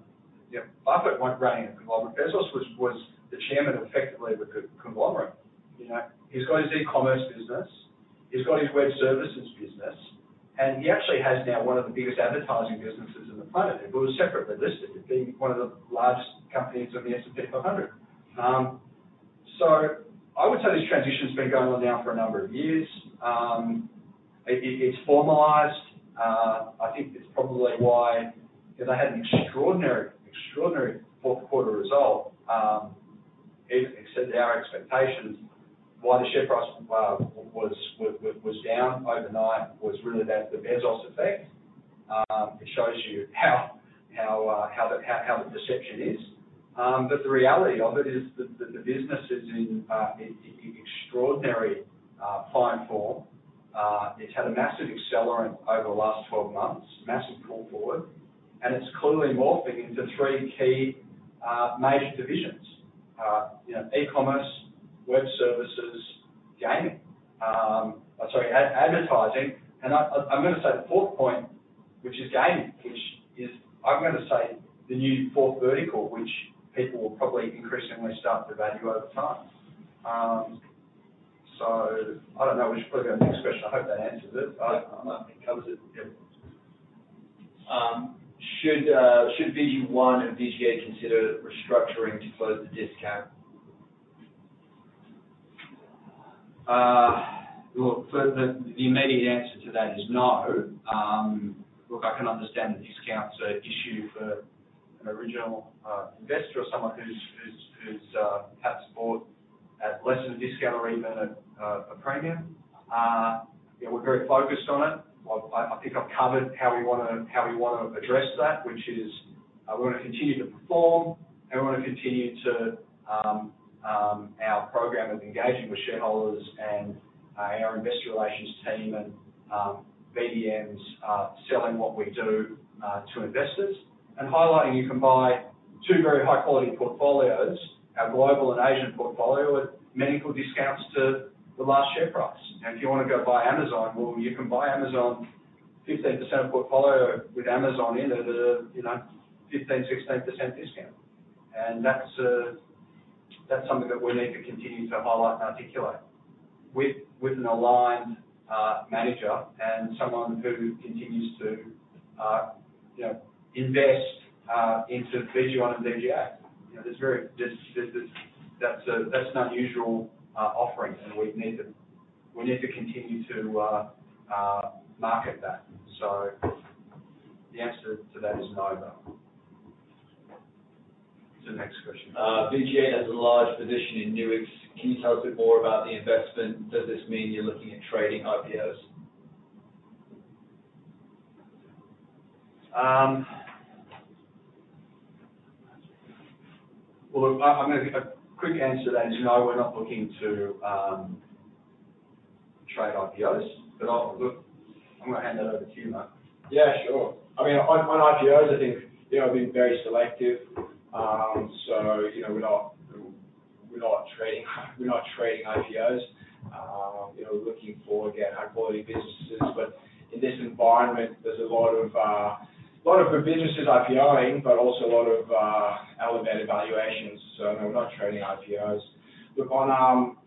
Buffett wasn't running a conglomerate. Bezos was the chairman, effectively, of a conglomerate. He's got his e-commerce business, he's got his web services business, and he actually has now one of the biggest advertising businesses on the planet. If it was separately listed, it'd be one of the largest companies on the S&P 500. I would say this transition's been going on now for a number of years. It's formalized. I think it's probably why they had an extraordinary fourth quarter result, even exceeded our expectations. Why the share price was down overnight was really about the Bezos effect. It shows you how the perception is. The reality of it is that the business is in extraordinary fine form. It's had a massive accelerant over the last 12 months, massive pull forward, and it's clearly morphing into three key major divisions: e-commerce, web services, gaming. Sorry, advertising. I'm going to say the fourth point, which is gaming, which is I'm going to say the new fourth vertical, which people will probably increasingly start to value over time. I don't know, we should probably go to the next question. I hope that answers it. I think covers it, yeah. Should VG1 and VG8 consider restructuring to close the discount? Look, the immediate answer to that is no. Look, I can understand the discount's an issue for an original investor or someone who's perhaps bought at less than a discount or even at a premium. We're very focused on it. I think I've covered how we want to address that, which is we want to continue to perform and we want to continue our program of engaging with shareholders and our investor relations team and BDMs selling what we do to investors and highlighting you can buy two very high-quality portfolios, our global and Asian portfolio, with meaningful discounts to the last share price. If you want to go buy Amazon, well, you can buy Amazon 15% portfolio with Amazon in it at a 15, 16% discount. That's something that we need to continue to highlight and articulate. With an aligned manager and someone who continues to invest into VG1 and VG8. That's an unusual offering and we need to continue to market that. The answer to that is no, though. To the next question. VG8 has a large position in Nuix. Can you tell us a bit more about the investment? Does this mean you're looking at trading IPOs? Well, look, I'm going to give a quick answer. That is, no, we're not looking to trade IPOs. Look, I'm going to hand that over to you, Marco. Yeah, sure. On IPOs, I think we've been very selective. We're not trading IPOs. We're looking for, again, high-quality businesses. In this environment, there's a lot of good businesses IPO-ing, but also a lot of elevated valuations. No, we're not trading IPOs. Look, on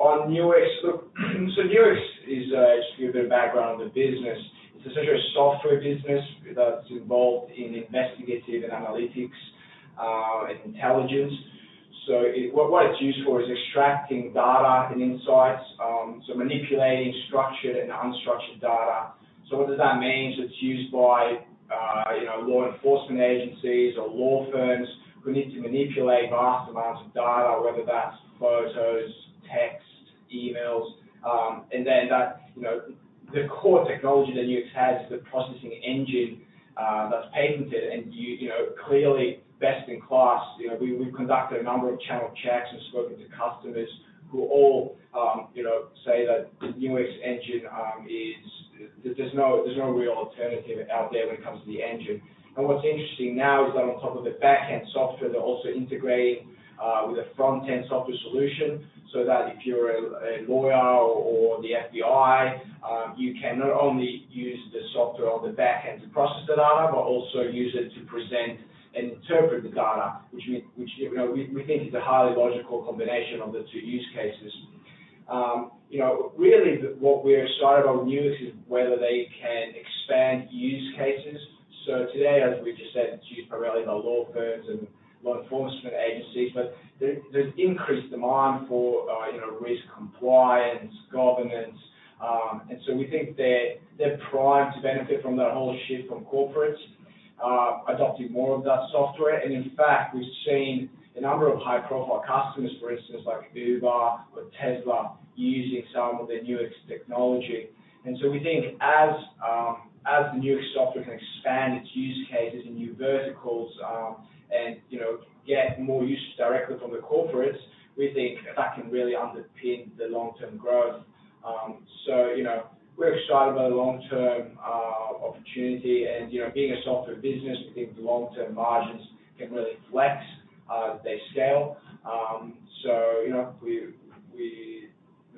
Nuix, look, Nuix is, just to give you a bit of background on the business, it's essentially a software business that's involved in investigative and analytics, and intelligence. What it's used for is extracting data and insights, so manipulating structured and unstructured data. What does that mean? It's used by. Law enforcement agencies or law firms who need to manipulate vast amounts of data, whether that's photos, texts, emails. The core technology that Nuix has is the processing engine that's patented and clearly best in class. We've conducted a number of channel checks and spoken to customers who all say that the Nuix engine, there's no real alternative out there when it comes to the engine. What's interesting now is that on top of the back-end software, they're also integrating with a front-end software solution, so that if you're a lawyer or the FBI, you can not only use the software on the back-end to process the data, but also use it to present and interpret the data, which we think is a highly logical combination of the two use cases. Really, what we're excited about Nuix is whether they can expand use cases. Today, as we just said to you, primarily, the law firms and law enforcement agencies, but there's increased demand for risk compliance, governance. We think they're primed to benefit from that whole shift from corporates adopting more of that software. In fact, we've seen a number of high-profile customers, for instance, like Uber or Tesla, using some of their Nuix technology. We think as the Nuix software can expand its use cases and new verticals, and get more usage directly from the corporates, we think that can really underpin the long-term growth. We're excited about the long-term opportunity. Being a software business, we think the long-term margins can really flex as they scale. We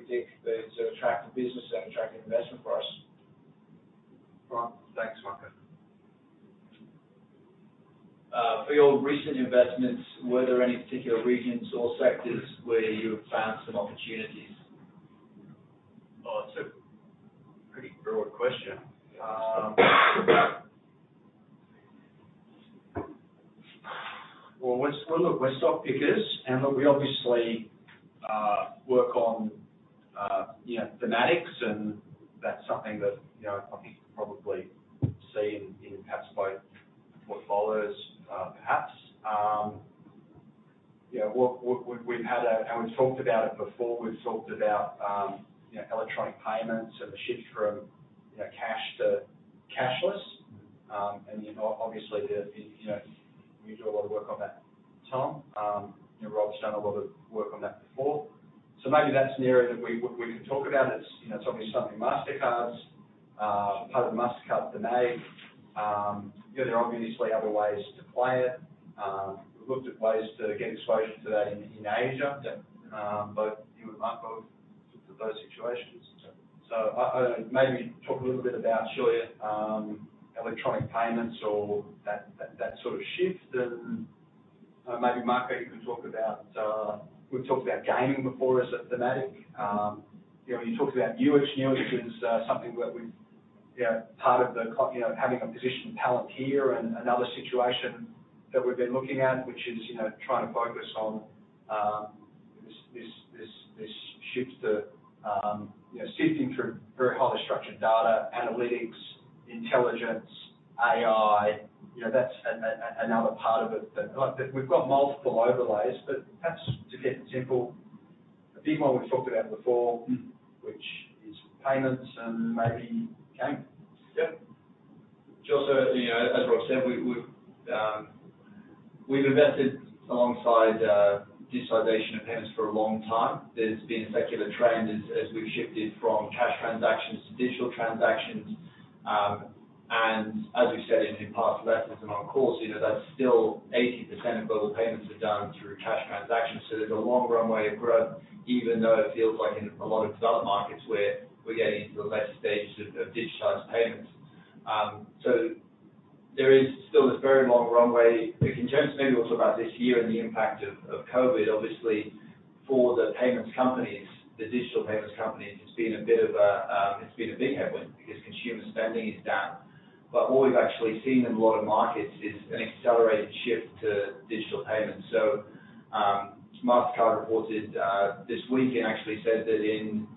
think that it's an attractive business and an attractive investment for us. Right. Thanks, Marco. For your recent investments, were there any particular regions or sectors where you have found some opportunities? Oh, it's a pretty broad question. Well, look, we're stock pickers, and look, we obviously work on thematics, and that's something that I think you could probably see in perhaps what follows. We've talked about it before. We've talked about electronic payments and the shift from cash to cashless. Obviously, we do a lot of work on that, Tom. Rob's done a lot of work on that before. Maybe that's an area that we can talk about. It's obviously something part of the Mastercard dynamic. There are obviously other ways to play it. We've looked at ways to get exposure to that in Asia, that both you and Marco have looked at those situations. I don't know, maybe talk a little bit about, Shailesh, electronic payments or that sort of shift and maybe Marco, you can talk about. We've talked about gaming before as a thematic. You talked about Nuix. Nuix is something that we've Part of the having a position in Palantir and another situation that we've been looking at, which is trying to focus on this shift to sifting through very highly structured data, analytics, intelligence, AI. That's another part of it. Look, we've got multiple overlays, but perhaps to keep it simple, a big one we've talked about before, which is payments and maybe gaming. Just as Rob said, we've invested alongside digitization of payments for a long time. There's been a secular trend as we've shifted from cash transactions to digital transactions. As we've said in past letters and on calls, that still 80% of global payments are done through cash transactions. There's a long runway of growth, even though it feels like in a lot of developed markets, we're getting into the latter stages of digitized payments. There is still this very long runway. In terms of maybe what talk about this year and the impact of COVID, obviously for the payments companies, the digital payments companies, it's been a big headwind because consumer spending is down. What we've actually seen in a lot of markets is an accelerated shift to digital payments. Mastercard reported this week and actually said that in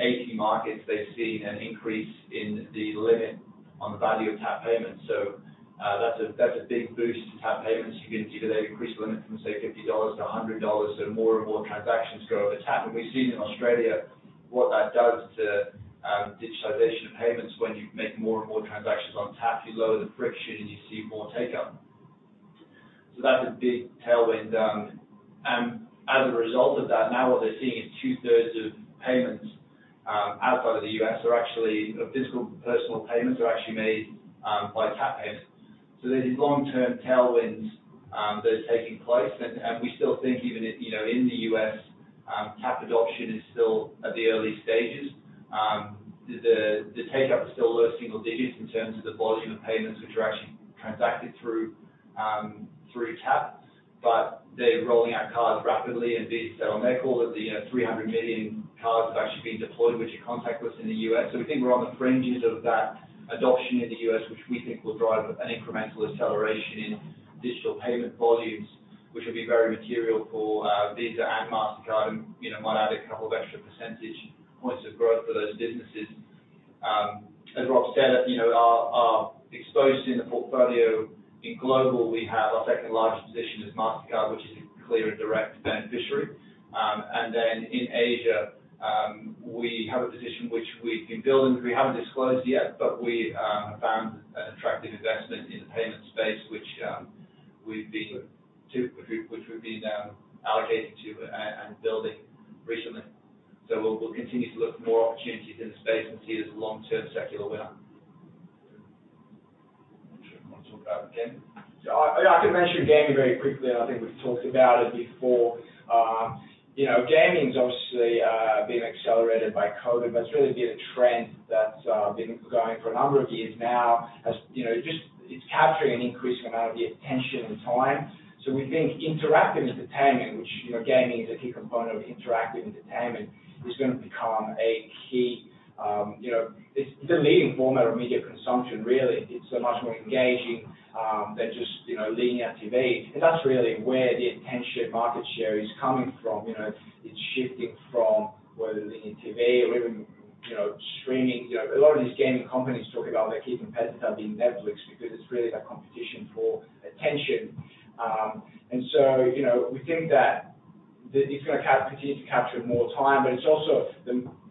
80 markets, they've seen an increase in the limit on the value of tap payments. That's a big boost to tap payments. You can either increase the limit from, say, 50-100 dollars. More and more transactions go over tap. We've seen in Australia what that does to digitization of payments. When you make more and more transactions on tap, you lower the friction and you see more take-up. That's a big tailwind. As a result of that, now what they're seeing is two-thirds of payments outside of the U.S. are actually physical personal payments are actually made by tap payments. There's these long-term tailwinds that are taking place. We still think even if in the U.S. tap adoption is still at the early stages. The take-up is still low single digits in terms of the volume of payments which are actually transacted through tap. They're rolling out cards rapidly. On their call, the 300 million cards have actually been deployed, which are contactless in the U.S. We think we're on the fringes of that adoption in the U.S., which we think will drive an incremental acceleration in digital payment volumes. Which will be very material for Visa and Mastercard, might add a couple of extra percentage points of growth for those businesses. As Rob said, our exposure in the portfolio in global, we have our second-largest position is Mastercard, which is a clear and direct beneficiary. Then in Asia, we have a position which we've been building. We haven't disclosed yet, we have found an attractive investment in the payment space, which we've been allocating to and building recently. We'll continue to look for more opportunities in the space and see it as a long-term secular winner. Not sure if you want to talk about gaming. I can mention gaming very quickly, and I think we've talked about it before. Gaming's obviously been accelerated by COVID, but it's really been a trend that's been going for a number of years now. It's capturing an increasing amount of the attention and time. We think interactive entertainment, which gaming is a key component of interactive entertainment, is the leading format of media consumption, really. It's so much more engaging than just linear TV. That's really where the attention market share is coming from. It's shifting from whether linear TV or even streaming. A lot of these gaming companies talk about their key competitor being Netflix because it's really that competition for attention. We think that it's going to continue to capture more time, but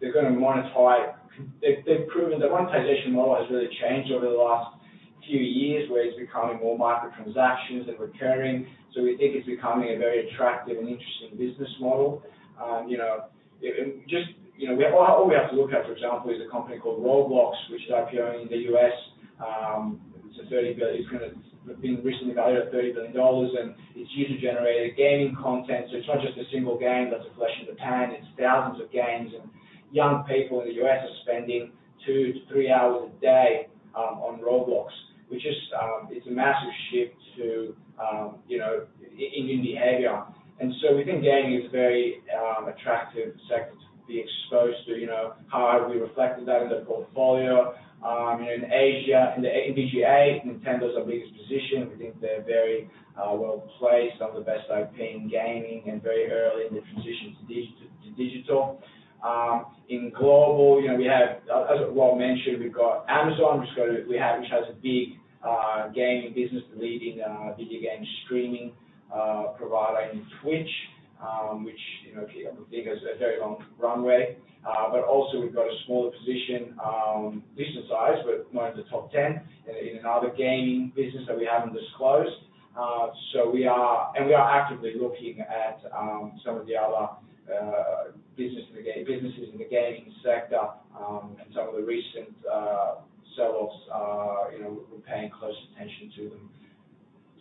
they're going to monetize. The monetization model has really changed over the last few years, where it's becoming more micro transactions and recurring. We think it's becoming a very attractive and interesting business model. All we have to look at, for example, is a company called Roblox, which is IPO-ing in the U.S. It's been recently valued at $30 billion, and it's user-generated gaming content. It's not just a single game that's a flash in the pan. It's thousands of games, and young people in the U.S. are spending two to three hours a day on Roblox. Which is a massive shift in behavior. We think gaming is a very attractive sector to be exposed to. How have we reflected that in the portfolio? In Asia, in VG8, Nintendo's our biggest position. We think they're very well placed, some of the best IP in gaming and very early in the transition to digital. In global, as Rob mentioned, we've got Amazon, which has a big gaming business, the leading video game streaming provider in Twitch, which we think has a very long runway. Also we've got a smaller position, decent size, but not in the top 10 in another gaming business that we haven't disclosed. We are actively looking at some of the other businesses in the gaming sector. Some of the recent sell-offs, we're paying close attention to them.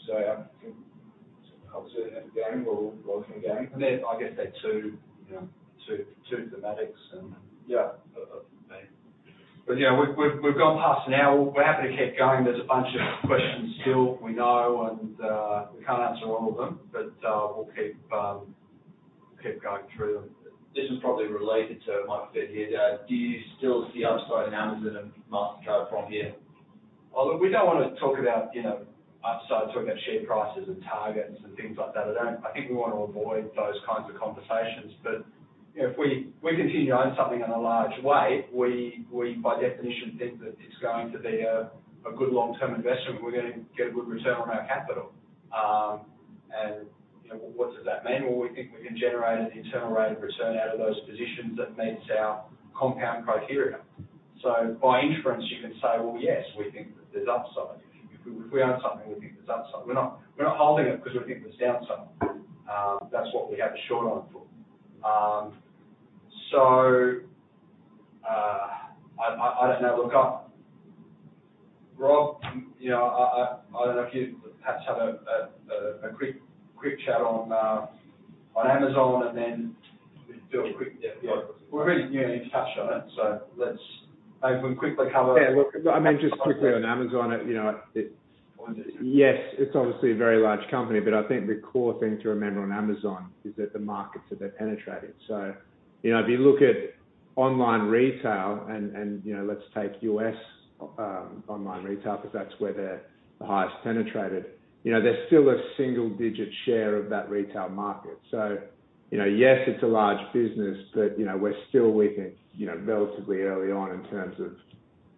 Yeah, I think obviously in gaming, we're looking at gaming. I guess they're two thematics. Yeah. Yeah, we've gone past an hour. We're happy to keep going. There's a bunch of questions still, we know, and we can't answer all of them. We'll keep going through them. This is probably related to my third year. Do you still see upside in Amazon and Mastercard from here? Well, look, we don't want to talk about upside, talking about share prices and targets and things like that. I think we want to avoid those kinds of conversations. If we continue to own something in a large way, we by definition think that it's going to be a good long-term investment, and we're going to get a good return on our capital. What does that mean? Well, we think we can generate an internal rate of return out of those positions that meets our compound criteria. By inference, you can say, "Well, yes, we think that there's upside." If we own something, we think there's upside. We're not holding it because we think there's downside. That's what we have the short on for. I don't know. Look, Rob, I don't know if you perhaps have a quick chat on Amazon and then do a quick. Yeah. We've already touched on it. Look, I mean, just quickly on Amazon, yes, it's obviously a very large company, but I think the core thing to remember on Amazon is that the markets that they've penetrated. If you look at online retail and let's take U.S. online retail, because that's where they're the highest penetrated. There's still a single-digit share of that retail market. Yes, it's a large business, but we're still we think relatively early on in terms of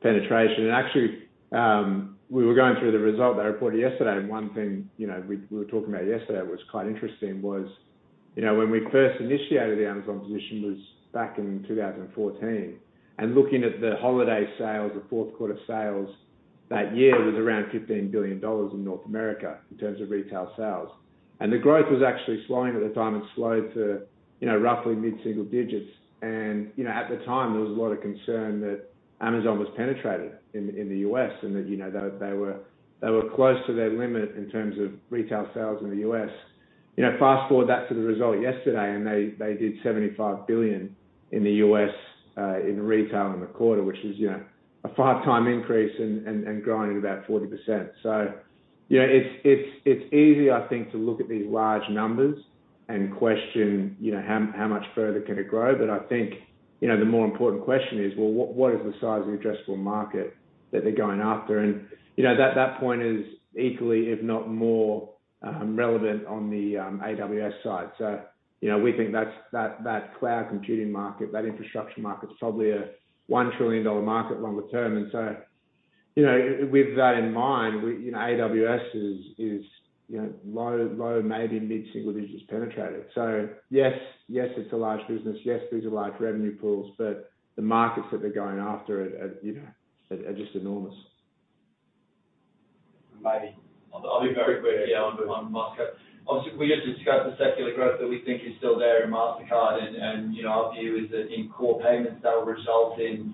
penetration. Actually, we were going through the result they reported yesterday, and one thing we were talking about yesterday was quite interesting was when we first initiated the Amazon position was back in 2014. Looking at the holiday sales, the fourth quarter sales that year was around $15 billion in North America in terms of retail sales. The growth was actually slowing at the time and slowed to roughly mid-single digits. At the time, there was a lot of concern that Amazon was penetrated in the U.S. and that they were close to their limit in terms of retail sales in the U.S. Fast-forward that to the result yesterday, and they did $75 billion in the U.S. in retail in the quarter, which was a five-time increase and growing at about 40%. It's easy, I think, to look at these large numbers and question how much further can it grow? I think, the more important question is, well, what is the size of the addressable market that they're going after? That point is equally, if not more relevant on the AWS side. We think that cloud computing market, that infrastructure market's probably a $1 trillion market longer term. With that in mind, AWS is low, maybe mid-single digits penetrated. Yes, it's a large business. Yes, these are large revenue pools, but the markets that they're going after are just enormous. Maybe. I'll be very quick, yeah, on Mastercard. Obviously, we just discussed the secular growth that we think is still there in Mastercard. Our view is that in core payments that will result in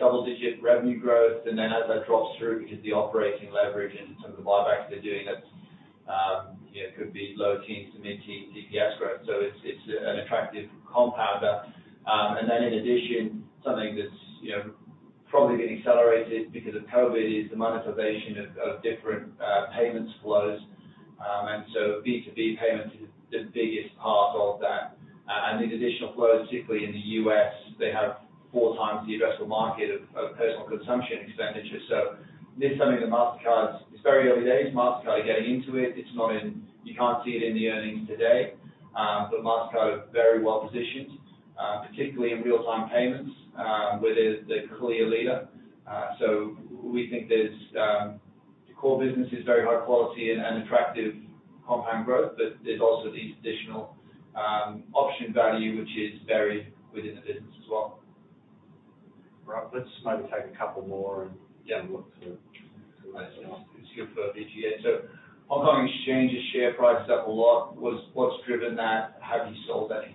double-digit revenue growth, then as that drops through because the operating leverage and some of the buybacks they're doing could be low teens to mid-teens EPS growth. It's an attractive compounder. In addition, something that's probably been accelerated because of COVID is the monetization of different payments flows. B2B payments is the biggest part of that. These additional flows, particularly in the U.S., they have four times the addressable market of personal consumption expenditure. This is something that Mastercard's, it's very early days, Mastercard are getting into it. You can't see it in the earnings today. Mastercard are very well-positioned, particularly in real-time payments, where they're the clear leader. We think the core business is very high quality and attractive compound growth, but there's also the additional option value, which is buried within the business as well. Right. Let's skip to VGA. Hong Kong Exchange's share price is up a lot. What's driven that? Have you sold any?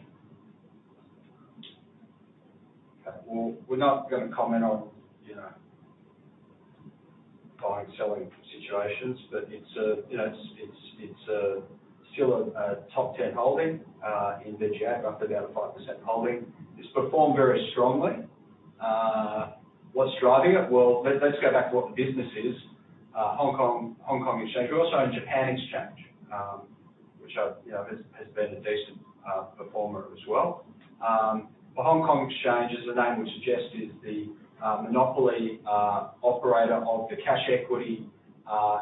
Well, we're not going to comment on buying and selling situations, but it's still a top 10 holding, in the VGA, roughly about a 5% holding. It's performed very strongly. What's driving it? Well, let's go back to what the business is. Hong Kong Exchange. We're also in Japan Exchange, which has been a decent performer as well. Hong Kong Exchange, as the name would suggest, is the monopoly operator of the cash equity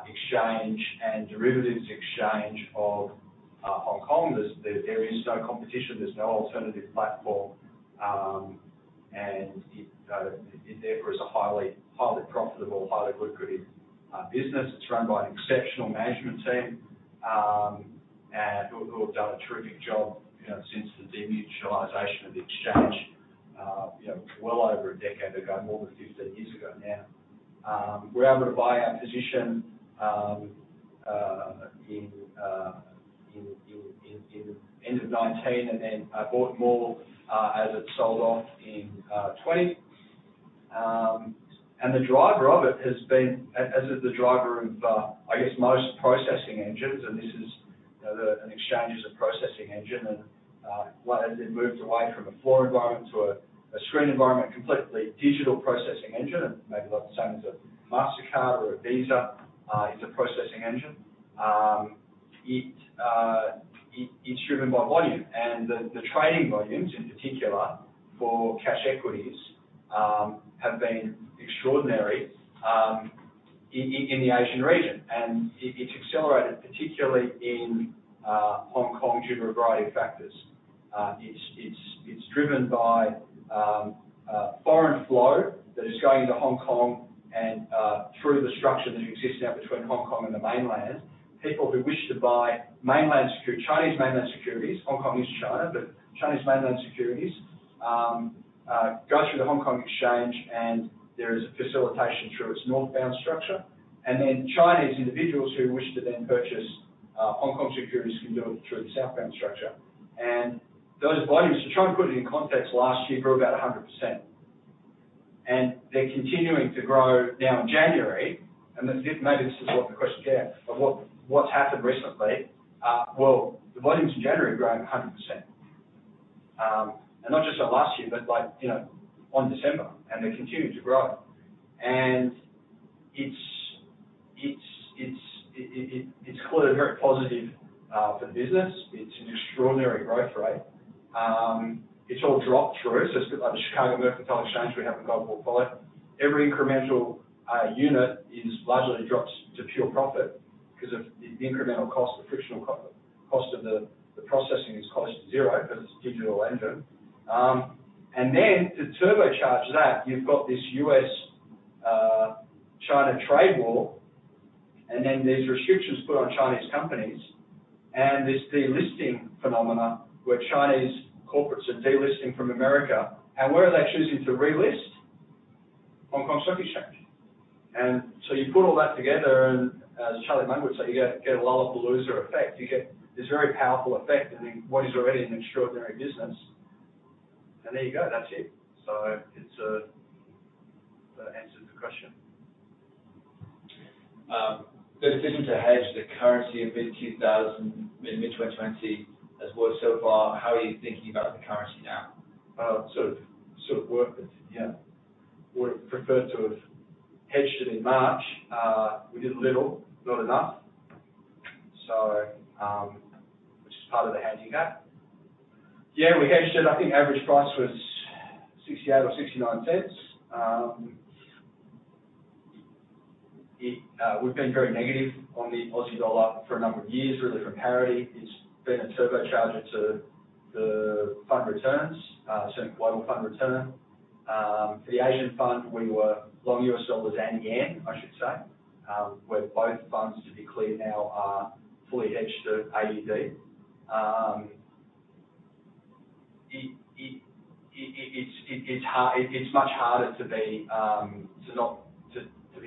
exchange and derivatives exchange of Hong Kong. There is no competition. There's no alternative platform. It therefore is a highly profitable, highly good credit business. It's run by an exceptional management team, who have done a terrific job since the demutualization of the exchange well over a decade ago, more than 15 years ago now. We were able to buy our position in end of 2019 and then bought more, as it sold off in 2020. The driver of it has been, as is the driver of, I guess, most processing engines, and this is, an exchange is a processing engine and, as it moves away from a floor environment to a screen environment, completely digital processing engine, and maybe like the same as a Mastercard or a Visa, it's a processing engine. It's driven by volume. The trading volumes, in particular for cash equities, have been extraordinary in the Asian region. It's accelerated, particularly in Hong Kong due to a variety of factors. It's driven by foreign flow that is going to Hong Kong and through the structure that exists now between Hong Kong and the Mainland. People who wish to buy Chinese mainland securities, Hong Kong is China, but Chinese mainland securities, go through the Hong Kong Stock Exchange and there is facilitation through its northbound structure. Chinese individuals who wish to then purchase Hong Kong securities can do it through the southbound structure. Those volumes, to try and put it in context last year, were about 100%. They're continuing to grow now in January, and maybe this is what the question, yeah, but what's happened recently, well, the volumes in January are growing 100%. Not just on last year, but on December, and they're continuing to grow. It's clearly very positive for the business. It's an extraordinary growth rate. It's all dropped through, so it's a bit like the Chicago Mercantile Exchange we have in Global Fund. Every incremental unit is largely drops to pure profit because of the incremental cost, the frictional cost of the processing is close to zero because it's a digital engine. To turbocharge that, you've got this U.S.-China trade war, then these restrictions put on Chinese companies and this delisting phenomena where Chinese corporates are delisting from America. Where are they choosing to relist? Hong Kong Stock Exchange. You put all that together and as Charlie Munger would say, you get a lollapalooza effect. You get this very powerful effect in what is already an extraordinary business. There you go. That's it. It answers the question. The decision to hedge the currency in mid-2020 has worked so far. How are you thinking about the currency now? Well, it sort of worked, but yeah. Would have preferred to have hedged it in March. We did a little, not enough, which is part of the hedging gap. Yeah, we hedged it. I think average price was 0.68 or 0.69. We've been very negative on the Aussie dollar for a number of years, really from parity. It's been a turbocharger to the fund returns, certain global fund return. For the Asian fund, we were long US dollars and yen, I should say, where both funds, to be clear now, are fully hedged to AUD. It's much harder to be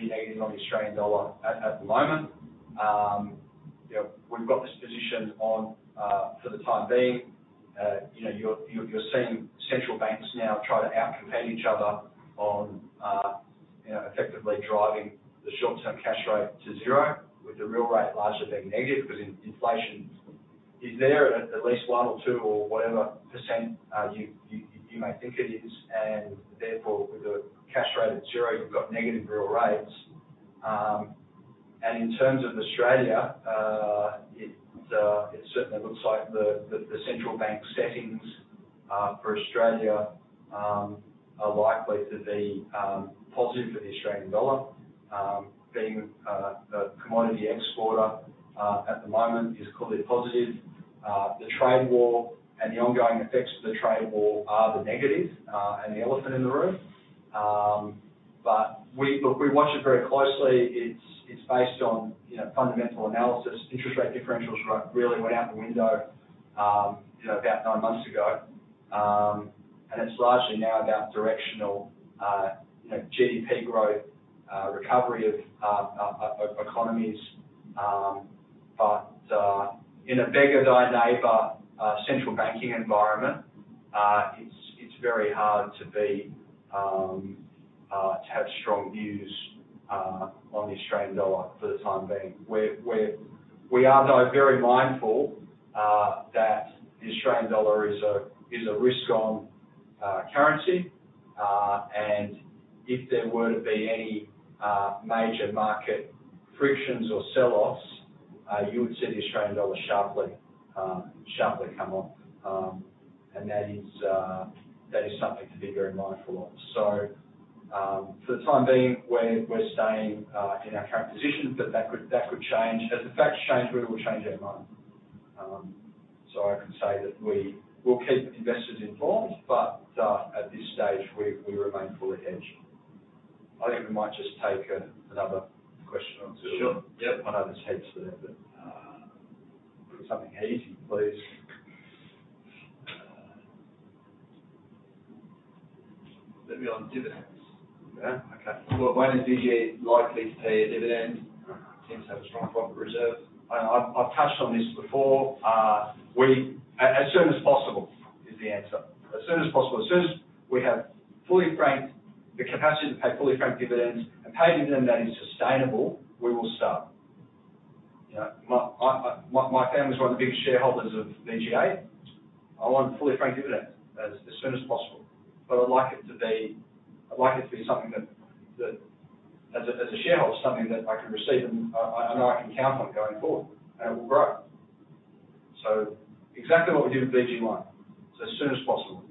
negative on the Australian dollar at the moment. We've got this position on for the time being. You're seeing central banks now try to out-compete each other on effectively driving the short-term cash rate to zero, with the real rate largely being negative because inflation is there at least 1% or 2% or whatever percent you may think it is. Therefore, with the cash rate at zero, you've got negative real rates. In terms of Australia, it certainly looks like the central bank settings for Australia are likely to be positive for the Australian dollar. Being a commodity exporter at the moment is clearly positive. The trade war and the ongoing effects of the trade war are the negative and the elephant in the room. Look, we watch it very closely. It's based on fundamental analysis. Interest rate differentials really went out the window about nine months ago. It's largely now about directional GDP growth, recovery of economies. In a beggar-thy-neighbor central banking environment, it's very hard to have strong views on the Australian dollar for the time being. We are, though, very mindful that the Australian dollar is a risk-on currency. If there were to be any major market frictions or sell-offs, you would see the Australian dollar sharply come off. That is something to be very mindful of. For the time being, we're staying in our current positions, but that could change. As the facts change, we will change our mind. I can say that we'll keep investors informed, but at this stage, we remain fully hedged. I think we might just take another question or two. Sure. Yep. I know there's heaps there, but something easy, please. Maybe on dividends. Okay. Well, when is VG8 likely to pay a dividend? Seems to have a strong profit reserve. I've touched on this before. As soon as possible is the answer. As soon as possible. As soon as we have the capacity to pay fully franked dividends and pay a dividend that is sustainable, we will start. My family's one of the biggest shareholders of VG8. I want a fully franked dividend as soon as possible. I'd like it to be something that, as a shareholder, something that I can receive and I know I can count on going forward, and it will grow. Exactly what we did with VG1, as soon as possible.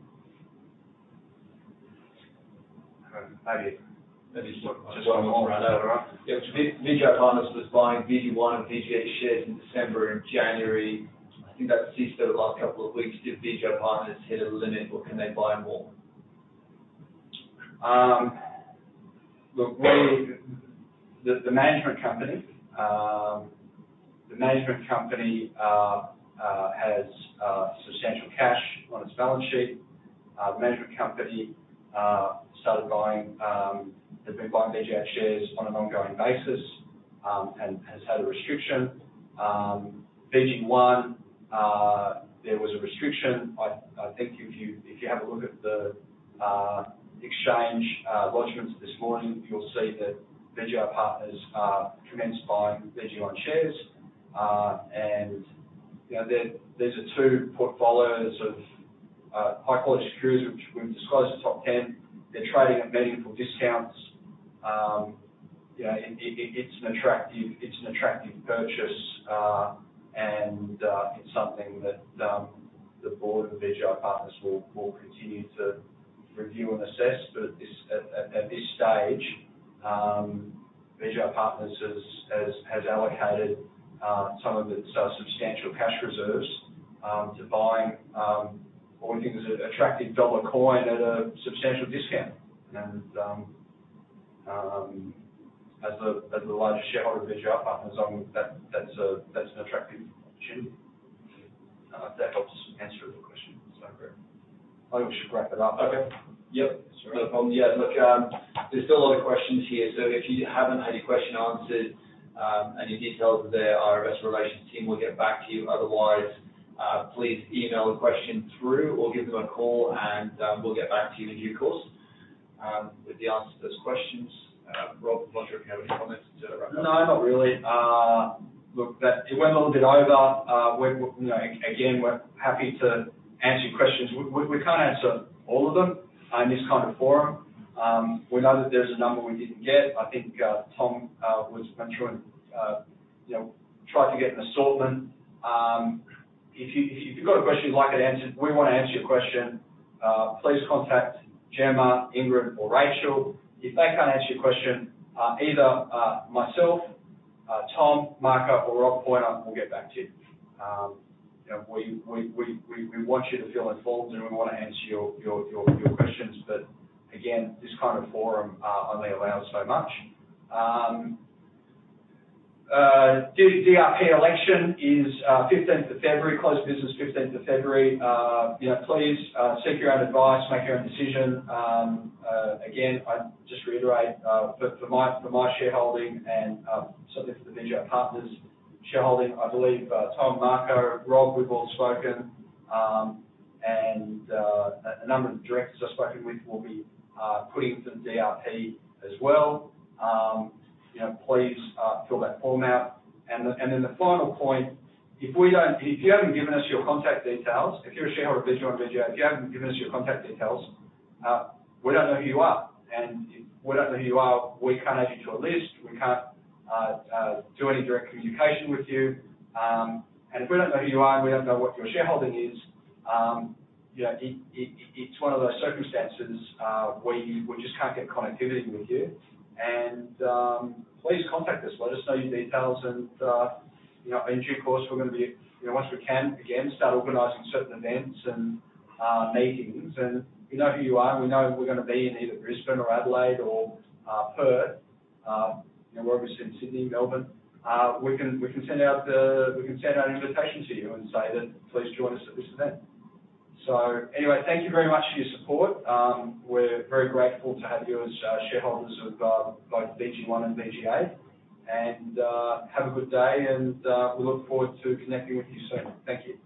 Just one more. All right. VGI Partners was buying VG1 and VG8 shares in December and January. I think that ceased over the last couple of weeks. Did VGI Partners hit a limit, or can they buy more? Look, the management company has substantial cash on its balance sheet. The management company started buying, they've been buying VGI shares on an ongoing basis and has had a restriction. VG1, there was a restriction. I think if you have a look at the exchange lodgments this morning, you'll see that VGI Partners commenced buying VG1 shares. These are two portfolios of high-quality securities, which we've disclosed the top 10. They're trading at meaningful discounts. It's an attractive purchase, and it's something that the board of VGI Partners will continue to review and assess. At this stage, VGI Partners has allocated some of its substantial cash reserves to buying what we think is an attractive dollar coin at a substantial discount. As the largest shareholder of VGI Partners, that's an attractive opportunity. If that helps answer the question. Is that fair? I think we should wrap it up. Okay. Yep. No problem. Yeah, look, there's still a lot of questions here, so if you haven't had your question answered and your details are there, our investor relations team will get back to you. Otherwise, please email the question through or give them a call, and we'll get back to you in due course with the answer to those questions. Do you have any comments to wrap up? No, not really. Look, it went a little bit over. We're happy to answer your questions. We can't answer all of them in this kind of forum. We know that there's a number we didn't get. I think Tom has been trying to get an assortment. If you've got a question you'd like answered, we want to answer your question, please contact Gemma, Ingrid, or Rachel. If they can't answer your question, either myself, Tom, Marco, or Rob Poiner will get back to you. We want you to feel involved. We want to answer your questions. Again, this kind of forum only allows so much. DRP election is 15th of February. Close of business, 15th of February. Please seek your own advice, make your own decision. Again, I just reiterate for my shareholding and certainly for the VGI Partners shareholding, I believe Tom, Marco, Rob, we've all spoken, and a number of the directors I've spoken with will be putting some DRP as well. Please fill that form out. The final point, if you haven't given us your contact details, if you're a shareholder of VG1 or VG8, if you haven't given us your contact details, we don't know who you are. If we don't know who you are, we can't add you to a list, we can't do any direct communication with you. If we don't know who you are and we don't know what your shareholding is, it's one of those circumstances where we just can't get connectivity with you. Please contact us. Let us know your details and in due course, once we can again, start organizing certain events and meetings. We know who you are and we know we're going to be in either Brisbane or Adelaide or Perth, we're obviously in Sydney, Melbourne. We can send out invitations to you and say that, "Please join us at this event." Anyway, thank you very much for your support. We're very grateful to have you as shareholders of both VG1 and VG8. Have a good day and we look forward to connecting with you soon. Thank you.